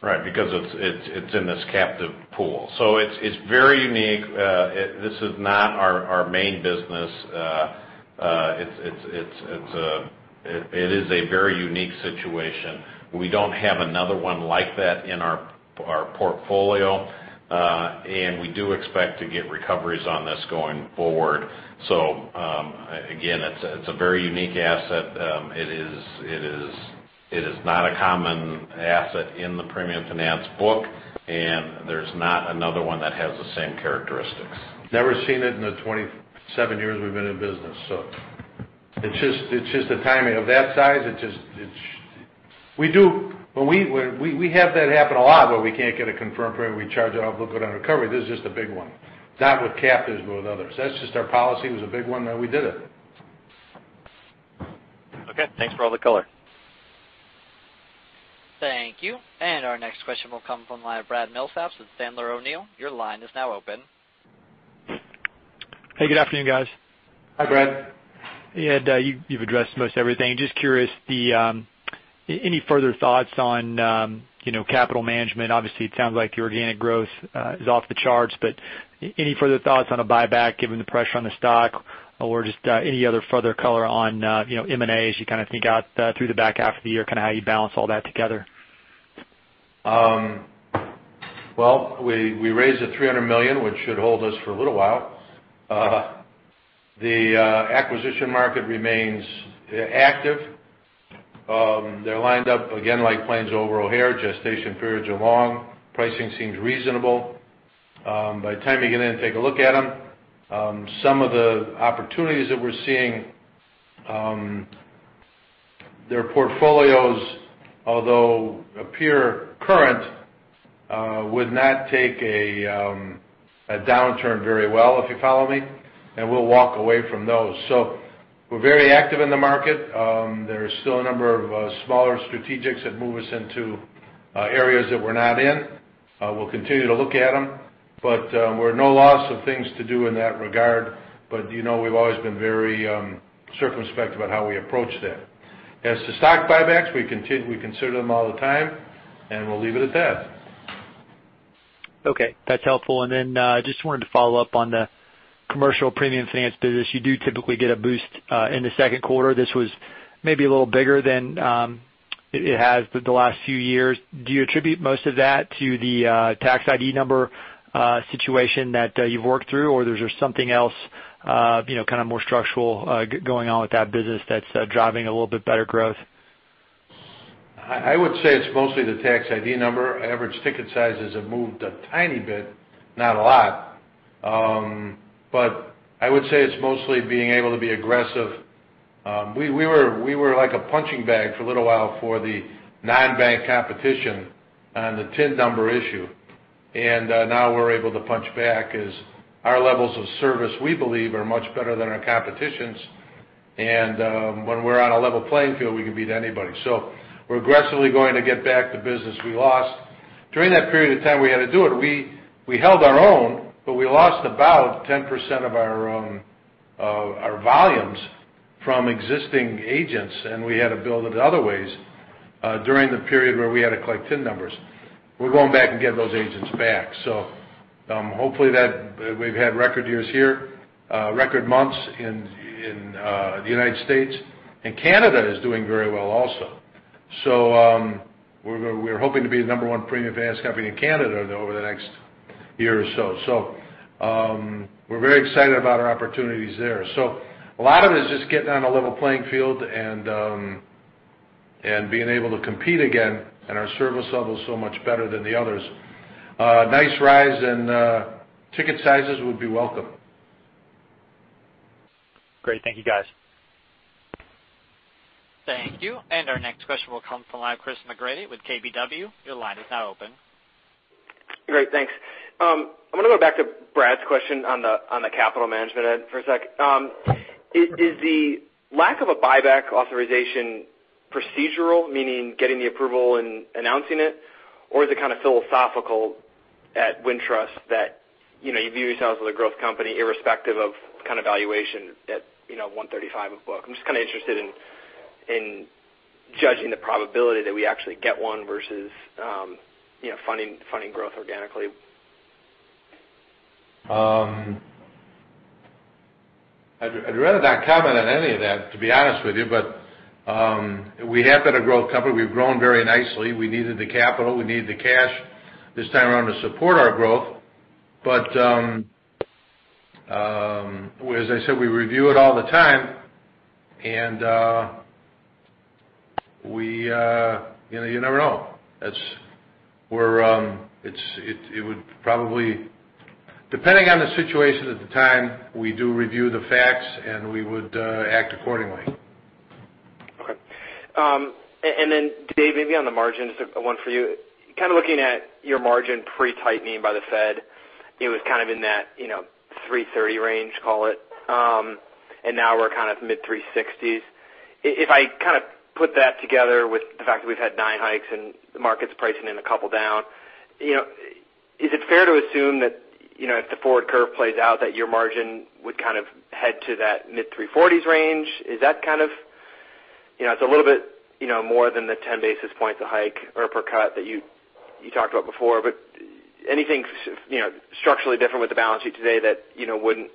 Right, because it's in this captive pool. It's very unique. This is not our main business. It is a very unique situation. We don't have another one like that in our portfolio. We do expect to get recoveries on this going forward. Again, it's a very unique asset. It is not a common asset in the premium finance book, and there's not another one that has the same characteristics. Never seen it in the 27 years we've been in business. It's just the timing. Of that size, we have that happen a lot where we can't get a confirmed premium, we charge it off, we'll put on recovery. This is just a big one. Not with captives, but with others. That's just our policy. It was a big one, now we did it. Okay. Thanks for all the color. Thank you. Our next question will come from Brad Milsaps of Sandler O'Neill. Your line is now open. Hey, good afternoon, guys. Hi, Brad. You've addressed most everything. Just curious, any further thoughts on capital management? Obviously, it sounds like your organic growth is off the charts, but any further thoughts on a buyback given the pressure on the stock? Or just any other further color on M&As you kind of think out through the back half of the year, kind of how you balance all that together? Well, we raised the $300 million, which should hold us for a little while. The acquisition market remains active. They're lined up, again like planes over O'Hare, gestation periods are long. Pricing seems reasonable by the time you get in and take a look at them. Some of the opportunities that we're seeing, their portfolios, although appear current, would not take a downturn very well, if you follow me. We'll walk away from those. We're very active in the market. There's still a number of smaller strategics that move us into areas that we're not in. We'll continue to look at them, but we're in no loss of things to do in that regard. We've always been very circumspect about how we approach that. As to stock buybacks, we consider them all the time, and we'll leave it at that. Okay, that's helpful. Just wanted to follow up on the commercial premium finance business. You do typically get a boost in the second quarter. This was maybe a little bigger than it has the last few years. Do you attribute most of that to the tax ID number situation that you've worked through? Or is there something else kind of more structural going on with that business that's driving a little bit better growth? I would say it's mostly the tax ID number. Average ticket sizes have moved a tiny bit, not a lot. I would say it's mostly being able to be aggressive. We were like a punching bag for a little while for the non-bank competition on the TIN number issue. Now we're able to punch back as our levels of service, we believe, are much better than our competition's. And when we're on a level playing field, we can beat anybody. We're aggressively going to get back the business we lost. During that period of time we had to do it, we held our own, but we lost about 10% of our volumes from existing agents, and we had to build it other ways during the period where we had to collect TIN numbers. We're going back and getting those agents back. Hopefully, we've had record years here, record months in the United States. Canada is doing very well also. We're hoping to be the number one premium finance company in Canada over the next year or so. We're very excited about our opportunities there. A lot of it is just getting on a level playing field and being able to compete again, and our service level is so much better than the others. A nice rise in ticket sizes would be welcome. Great. Thank you, guys. Thank you. Our next question will come from the line of Chris McGratty with KBW. Your line is now open. Great. Thanks. I want to go back to Brad's question on the capital management head for a second. Is the lack of a buyback authorization procedural, meaning getting the approval and announcing it? Or is it kind of philosophical at Wintrust that you view yourselves as a growth company, irrespective of kind of valuation at 135 a book? I'm just kind of interested in judging the probability that we actually get one versus funding growth organically. I'd rather not comment on any of that, to be honest with you. We have been a growth company. We've grown very nicely. We needed the capital, we needed the cash this time around to support our growth. As I said, we review it all the time, and you never know. Depending on the situation at the time, we do review the facts, and we would act accordingly. Dave, maybe on the margins, a one for you. Kind of looking at your margin pre-tightening by the Fed, it was kind of in that 3.30% range, call it. Now we're kind of mid-36.0s. If I kind of put that together with the fact that we've had nine hikes and the market's pricing in a couple down, is it fair to assume that if the forward curve plays out, that your margin would kind of head to that mid-34.0s range? It's a little bit more than the 10 basis points a hike or per cut that you talked about before. Anything structurally different with the balance sheet today that wouldn't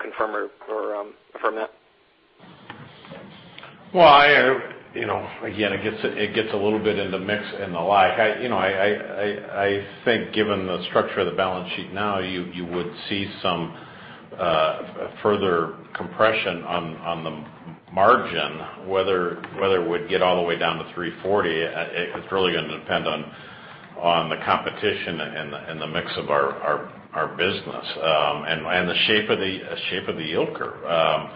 confirm or affirm that? Again, it gets a little bit in the mix and the like. I think given the structure of the balance sheet now, you would see some further compression on the margin. Whether it would get all the way down to 34.0%, it's really going to depend on the competition and the mix of our business, and the shape of the yield curve.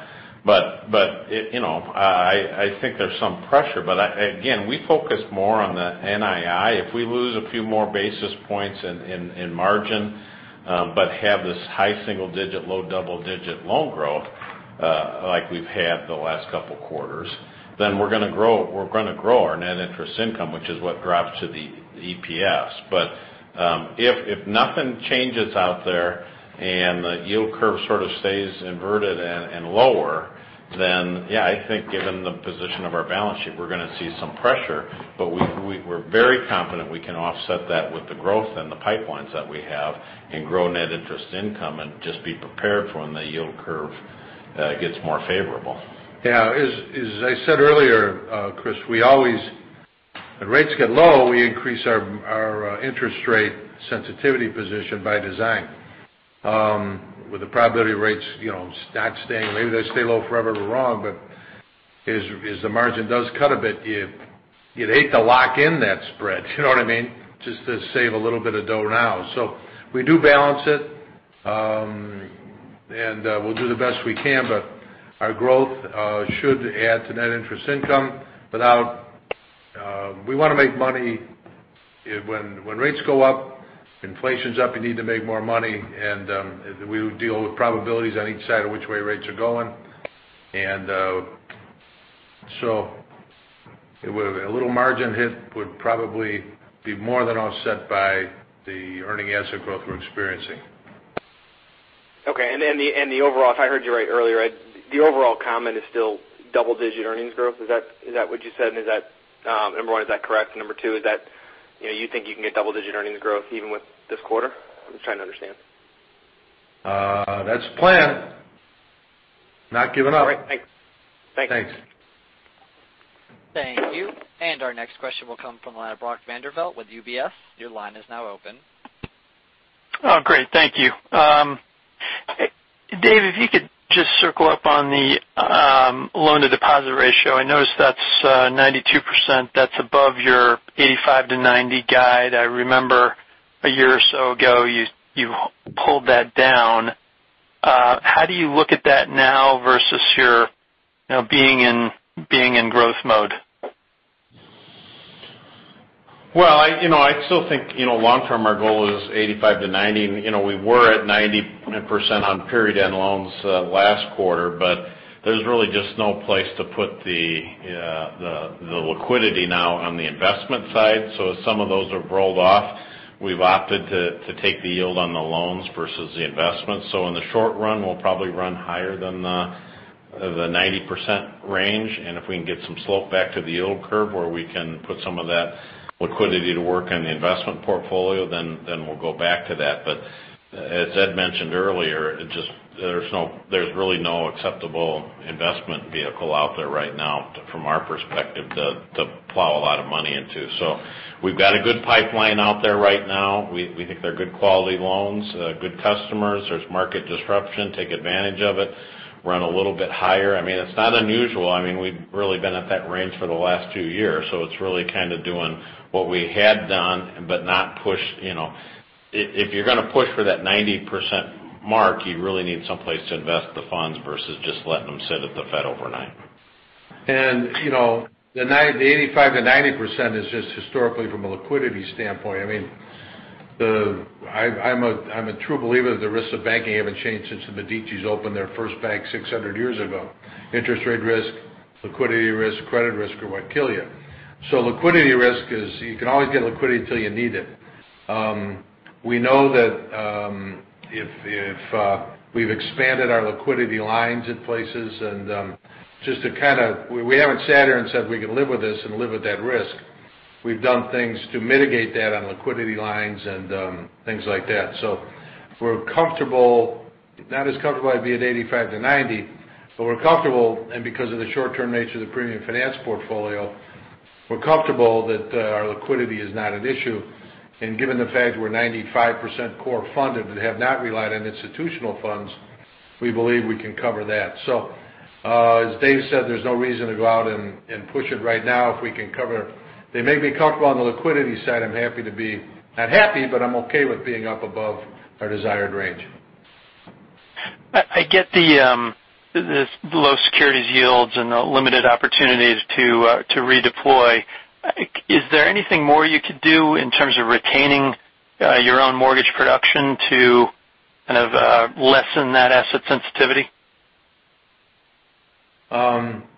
I think there's some pressure, but again, we focus more on the NII. We lose a few more basis points in margin, but have this high single digit, low double digit loan growth, like we've had the last couple of quarters, we're going to grow our net interest income, which is what drives to the EPS. If nothing changes out there and the yield curve sort of stays inverted and lower, yeah, I think given the position of our balance sheet, we're going to see some pressure. We're very confident we can offset that with the growth and the pipelines that we have and grow net interest income and just be prepared for when the yield curve gets more favorable. Yeah. As I said earlier, Chris, when rates get low, we increase our interest rate sensitivity position by design. With the probability of rates not staying, maybe they stay low forever, we're wrong. As the margin does cut a bit, you'd hate to lock in that spread, you know what I mean? Just to save a little bit of dough now. We do balance it. We'll do the best we can, but our growth should add to net interest income. We want to make money. When rates go up, inflation's up, you need to make more money. We deal with probabilities on each side of which way rates are going. A little margin hit would probably be more than offset by the earning asset growth we're experiencing. Okay. If I heard you right earlier, the overall comment is still double-digit earnings growth. Is that what you said? Number one, is that correct? Number two, you think you can get double-digit earnings growth even with this quarter? I'm just trying to understand. That's the plan. Not giving up. All right. Thanks. Thanks. Thank you. Our next question will come from the line of Brock Vandervliet with UBS. Your line is now open. Oh, great. Thank you. Dave, if you could just circle up on the loan to deposit ratio. I noticed that's 92%. That's above your 85%-90% guide. I remember a year or so ago, you pulled that down. How do you look at that now versus being in growth mode? I still think long term our goal is 85%-90%. We were at 90% on period end loans last quarter, but there's really just no place to put the liquidity now on the investment side. Some of those have rolled off. We've opted to take the yield on the loans versus the investments. In the short run, we'll probably run higher than the 90% range, and if we can get some slope back to the yield curve where we can put some of that liquidity to work on the investment portfolio, then we'll go back to that. As Ed mentioned earlier, there's really no acceptable investment vehicle out there right now from our perspective to plow a lot of money into. We've got a good pipeline out there right now. We think they're good quality loans, good customers. There's market disruption, take advantage of it, run a little bit higher. It's not unusual. We've really been at that range for the last two years, it's really kind of doing what we had done but not push. If you're going to push for that 90% mark, you really need someplace to invest the funds versus just letting them sit at the Fed overnight. The 85%-90% is just historically from a liquidity standpoint. I'm a true believer that the risks of banking haven't changed since the Medici opened their first bank 600 years ago. Interest rate risk, liquidity risk, credit risk are what kill you. Liquidity risk is, you can always get liquidity till you need it. We know that if we've expanded our liquidity lines in places. We haven't sat here and said we can live with this and live with that risk. We've done things to mitigate that on liquidity lines and things like that. We're comfortable, not as comfortable I'd be at 85%-90%, but we're comfortable. Because of the short term nature of the premium finance portfolio, we're comfortable that our liquidity is not an issue. Given the fact we're 95% core funded and have not relied on institutional funds, we believe we can cover that. As Dave said, there's no reason to go out and push it right now if we can cover. They make me comfortable on the liquidity side. I'm happy to be, not happy, but I'm okay with being up above our desired range. I get the low securities yields and the limited opportunities to redeploy. Is there anything more you could do in terms of retaining your own mortgage production to kind of lessen that asset sensitivity?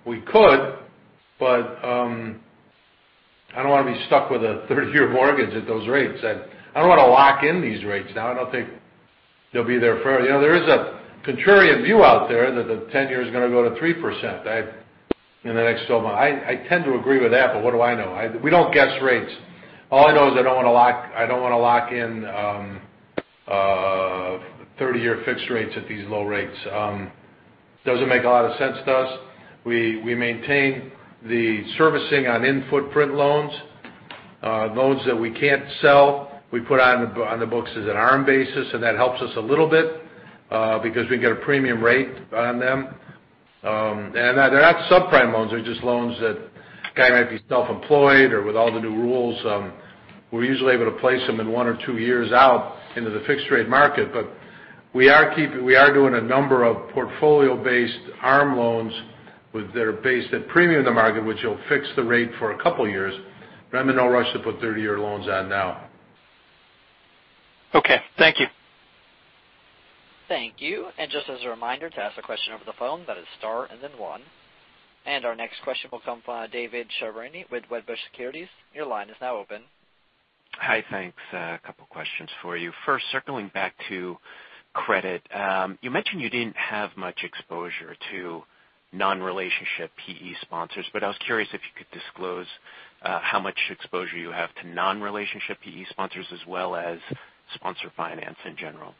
We could, I don't want to be stuck with a 30-year mortgage at those rates. I don't want to lock in these rates now. I don't think they'll be there forever. There is a contrarian view out there that the 10 year is going to go to 3% in the next so long. I tend to agree with that, what do I know? We don't guess rates. All I know is I don't want to lock in 30-year fixed rates at these low rates. Doesn't make a lot of sense to us. We maintain the servicing on in-footprint loans. Loans that we can't sell, we put on the books as an ARM basis, and that helps us a little bit because we get a premium rate on them. They're not subprime loans. They're just loans that guy might be self-employed or with all the new rules. We're usually able to place them in one or two years out into the fixed rate market. We are doing a number of portfolio-based ARM loans that are based at premium to market, which will fix the rate for a couple of years. I'm in no rush to put 30-year loans on now. Okay. Thank you. Thank you. Just as a reminder, to ask a question over the phone, that is star and then one. Our next question will come from David Chiaverini with Wedbush Securities. Your line is now open. Hi. Thanks. A couple questions for you. First, circling back to credit. You mentioned you didn't have much exposure to non-relationship PE sponsors, but I was curious if you could disclose how much exposure you have to non-relationship PE sponsors as well as sponsor finance in general.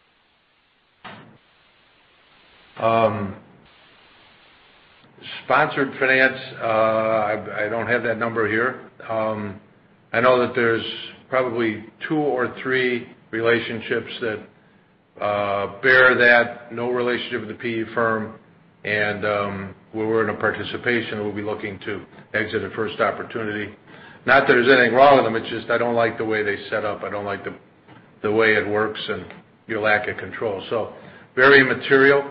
Sponsored finance, I don't have that number here. I know that there's probably two or three relationships that bear that no relationship with the PE firm. Where we're in a participation, we'll be looking to exit at first opportunity. Not that there's anything wrong with them, it's just I don't like the way they set up. I don't like the way it works and your lack of control. Very immaterial.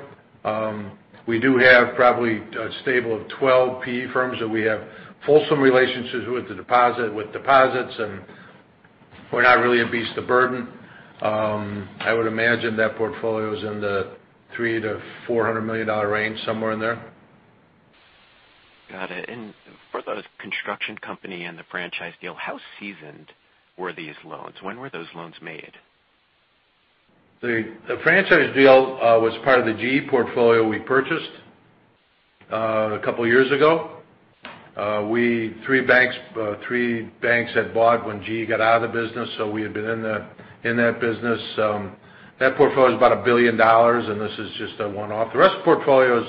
We do have probably a stable of 12 PE firms that we have fulsome relationships with deposits, and we're not really a beast of burden. I would imagine that portfolio is in the $300 million-$400 million range, somewhere in there. Got it. For the construction company and the franchise deal, how seasoned were these loans? When were those loans made? The franchise deal was part of the GE portfolio we purchased a couple of years ago. Three banks had bought when GE got out of the business, so we had been in that business. That portfolio is about $1 billion, this is just a one-off. The rest of the portfolio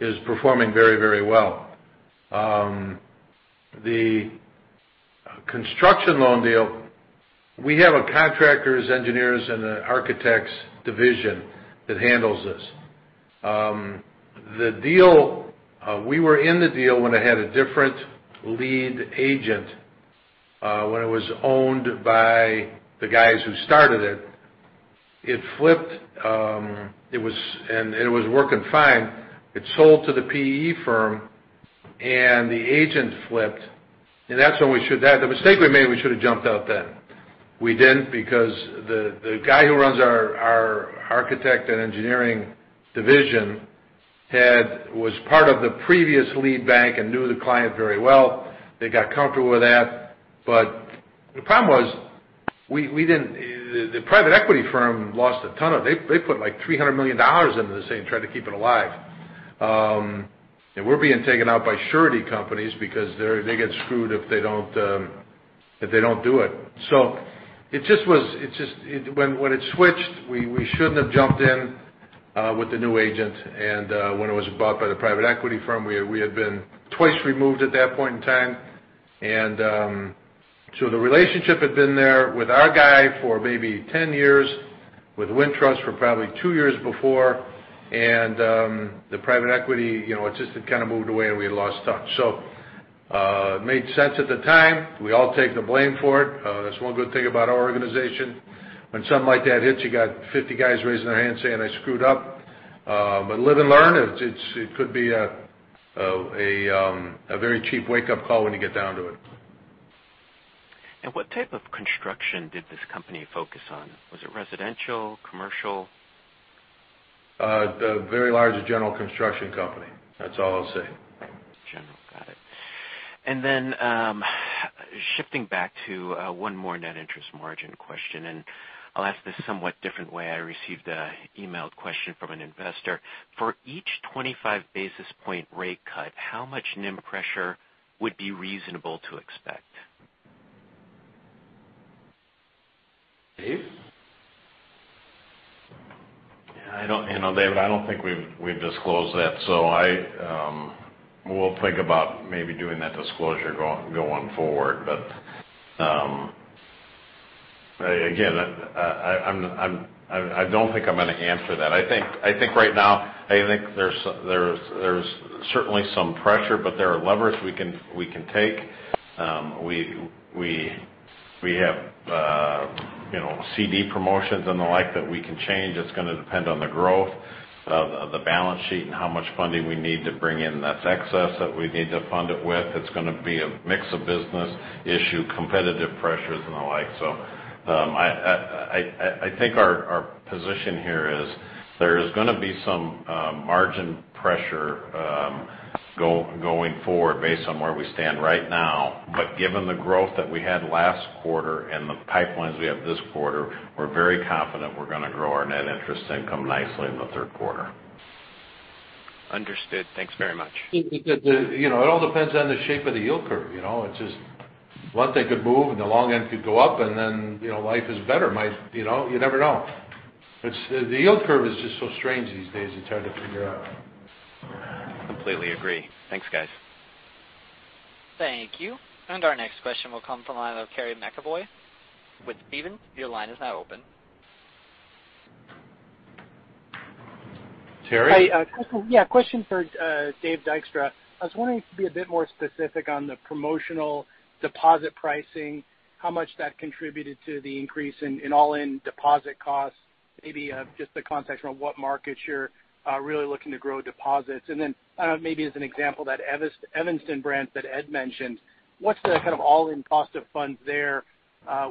is performing very well. The construction loan deal, we have a contractors, engineers, and an architects division that handles this. We were in the deal when it had a different lead agent, when it was owned by the guys who started it. It flipped, it was working fine. It sold to the PE firm, the agent flipped, the mistake we made, we should have jumped out then. We didn't because the guy who runs our architect and engineering division was part of the previous lead bank and knew the client very well. They got comfortable with that. The problem was, the private equity firm lost a ton. They put like $300 million into this thing, tried to keep it alive. We're being taken out by surety companies because they get screwed if they don't do it. When it switched, we shouldn't have jumped in with the new agent. When it was bought by the private equity firm, we had been twice removed at that point in time. The relationship had been there with our guy for maybe 10 years, with Wintrust for probably two years before. The private equity, it just had kind of moved away, and we had lost touch. It made sense at the time. We all take the blame for it. That's one good thing about our organization. When something like that hits, you got 50 guys raising their hand saying, "I screwed up." Live and learn. It could be a very cheap wake-up call when you get down to it. What type of construction did this company focus on? Was it residential, commercial? A very large general construction company. That's all I'll say. General. Got it. Shifting back to one more net interest margin question, and I'll ask this somewhat different way. I received an emailed question from an investor. For each 25 basis point rate cut, how much NIM pressure would be reasonable to expect? Dave? Yeah. David, I don't think we've disclosed that. We'll think about maybe doing that disclosure going forward. Again, I don't think I'm going to answer that. I think right now, there's certainly some pressure, but there are levers we can take. We have CD promotions and the like that we can change. It's going to depend on the growth of the balance sheet and how much funding we need to bring in that's excess that we need to fund it with. It's going to be a mix of business issue, competitive pressures, and the like. I think our position here is there is going to be some margin pressure going forward based on where we stand right now. Given the growth that we had last quarter and the pipelines we have this quarter, we're very confident we're going to grow our net interest income nicely in the third quarter. Understood. Thanks very much. It all depends on the shape of the yield curve. It's just one thing could move, and the long end could go up and then life is better. You never know. The yield curve is just so strange these days. It's hard to figure out. Completely agree. Thanks, guys. Thank you. Our next question will come from the line of Terry McEvoy with Stephens. Your line is now open. Terry? Hi. Yeah. Question for Dave Dykstra. I was wondering if you could be a bit more specific on the promotional deposit pricing, how much that contributed to the increase in all-in deposit costs. Maybe just the context around what markets you're really looking to grow deposits. Then, maybe as an example, that Evanston branch that Ed mentioned. What's the kind of all-in cost of funds there,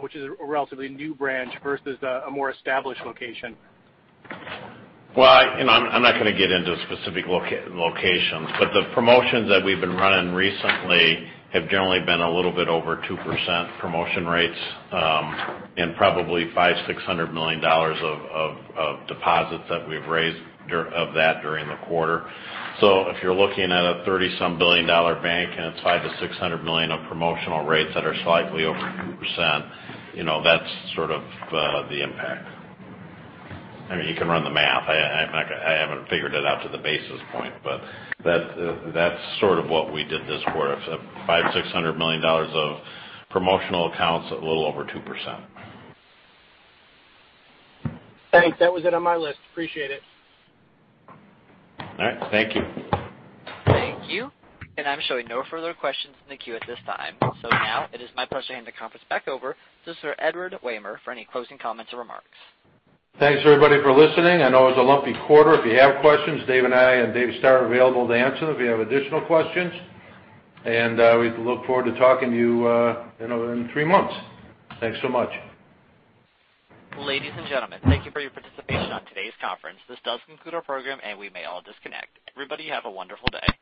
which is a relatively new branch versus a more established location? Well, I'm not going to get into specific locations, but the promotions that we've been running recently have generally been a little bit over 2% promotion rates, and probably $500 million-$600 million of deposits that we've raised of that during the quarter. If you're looking at a 30-some billion dollar bank and it's $500 million-$600 million of promotional rates that are slightly over 2%, that's sort of the impact. You can run the math. I haven't figured it out to the basis point, but that's sort of what we did this quarter. $500 million-$600 million of promotional accounts at a little over 2%. Thanks. That was it on my list. Appreciate it. All right. Thank you. Thank you. I'm showing no further questions in the queue at this time. Now it is my pleasure to hand the conference back over to Sir Edward Wehmer for any closing comments or remarks. Thanks, everybody, for listening. I know it was a lumpy quarter. If you have questions, Dave and I and Dave Stoehr are available to answer them if you have additional questions. We look forward to talking to you in another three months. Thanks so much. Ladies and gentlemen, thank you for your participation on today's conference. This does conclude our program, and we may all disconnect. Everybody, have a wonderful day.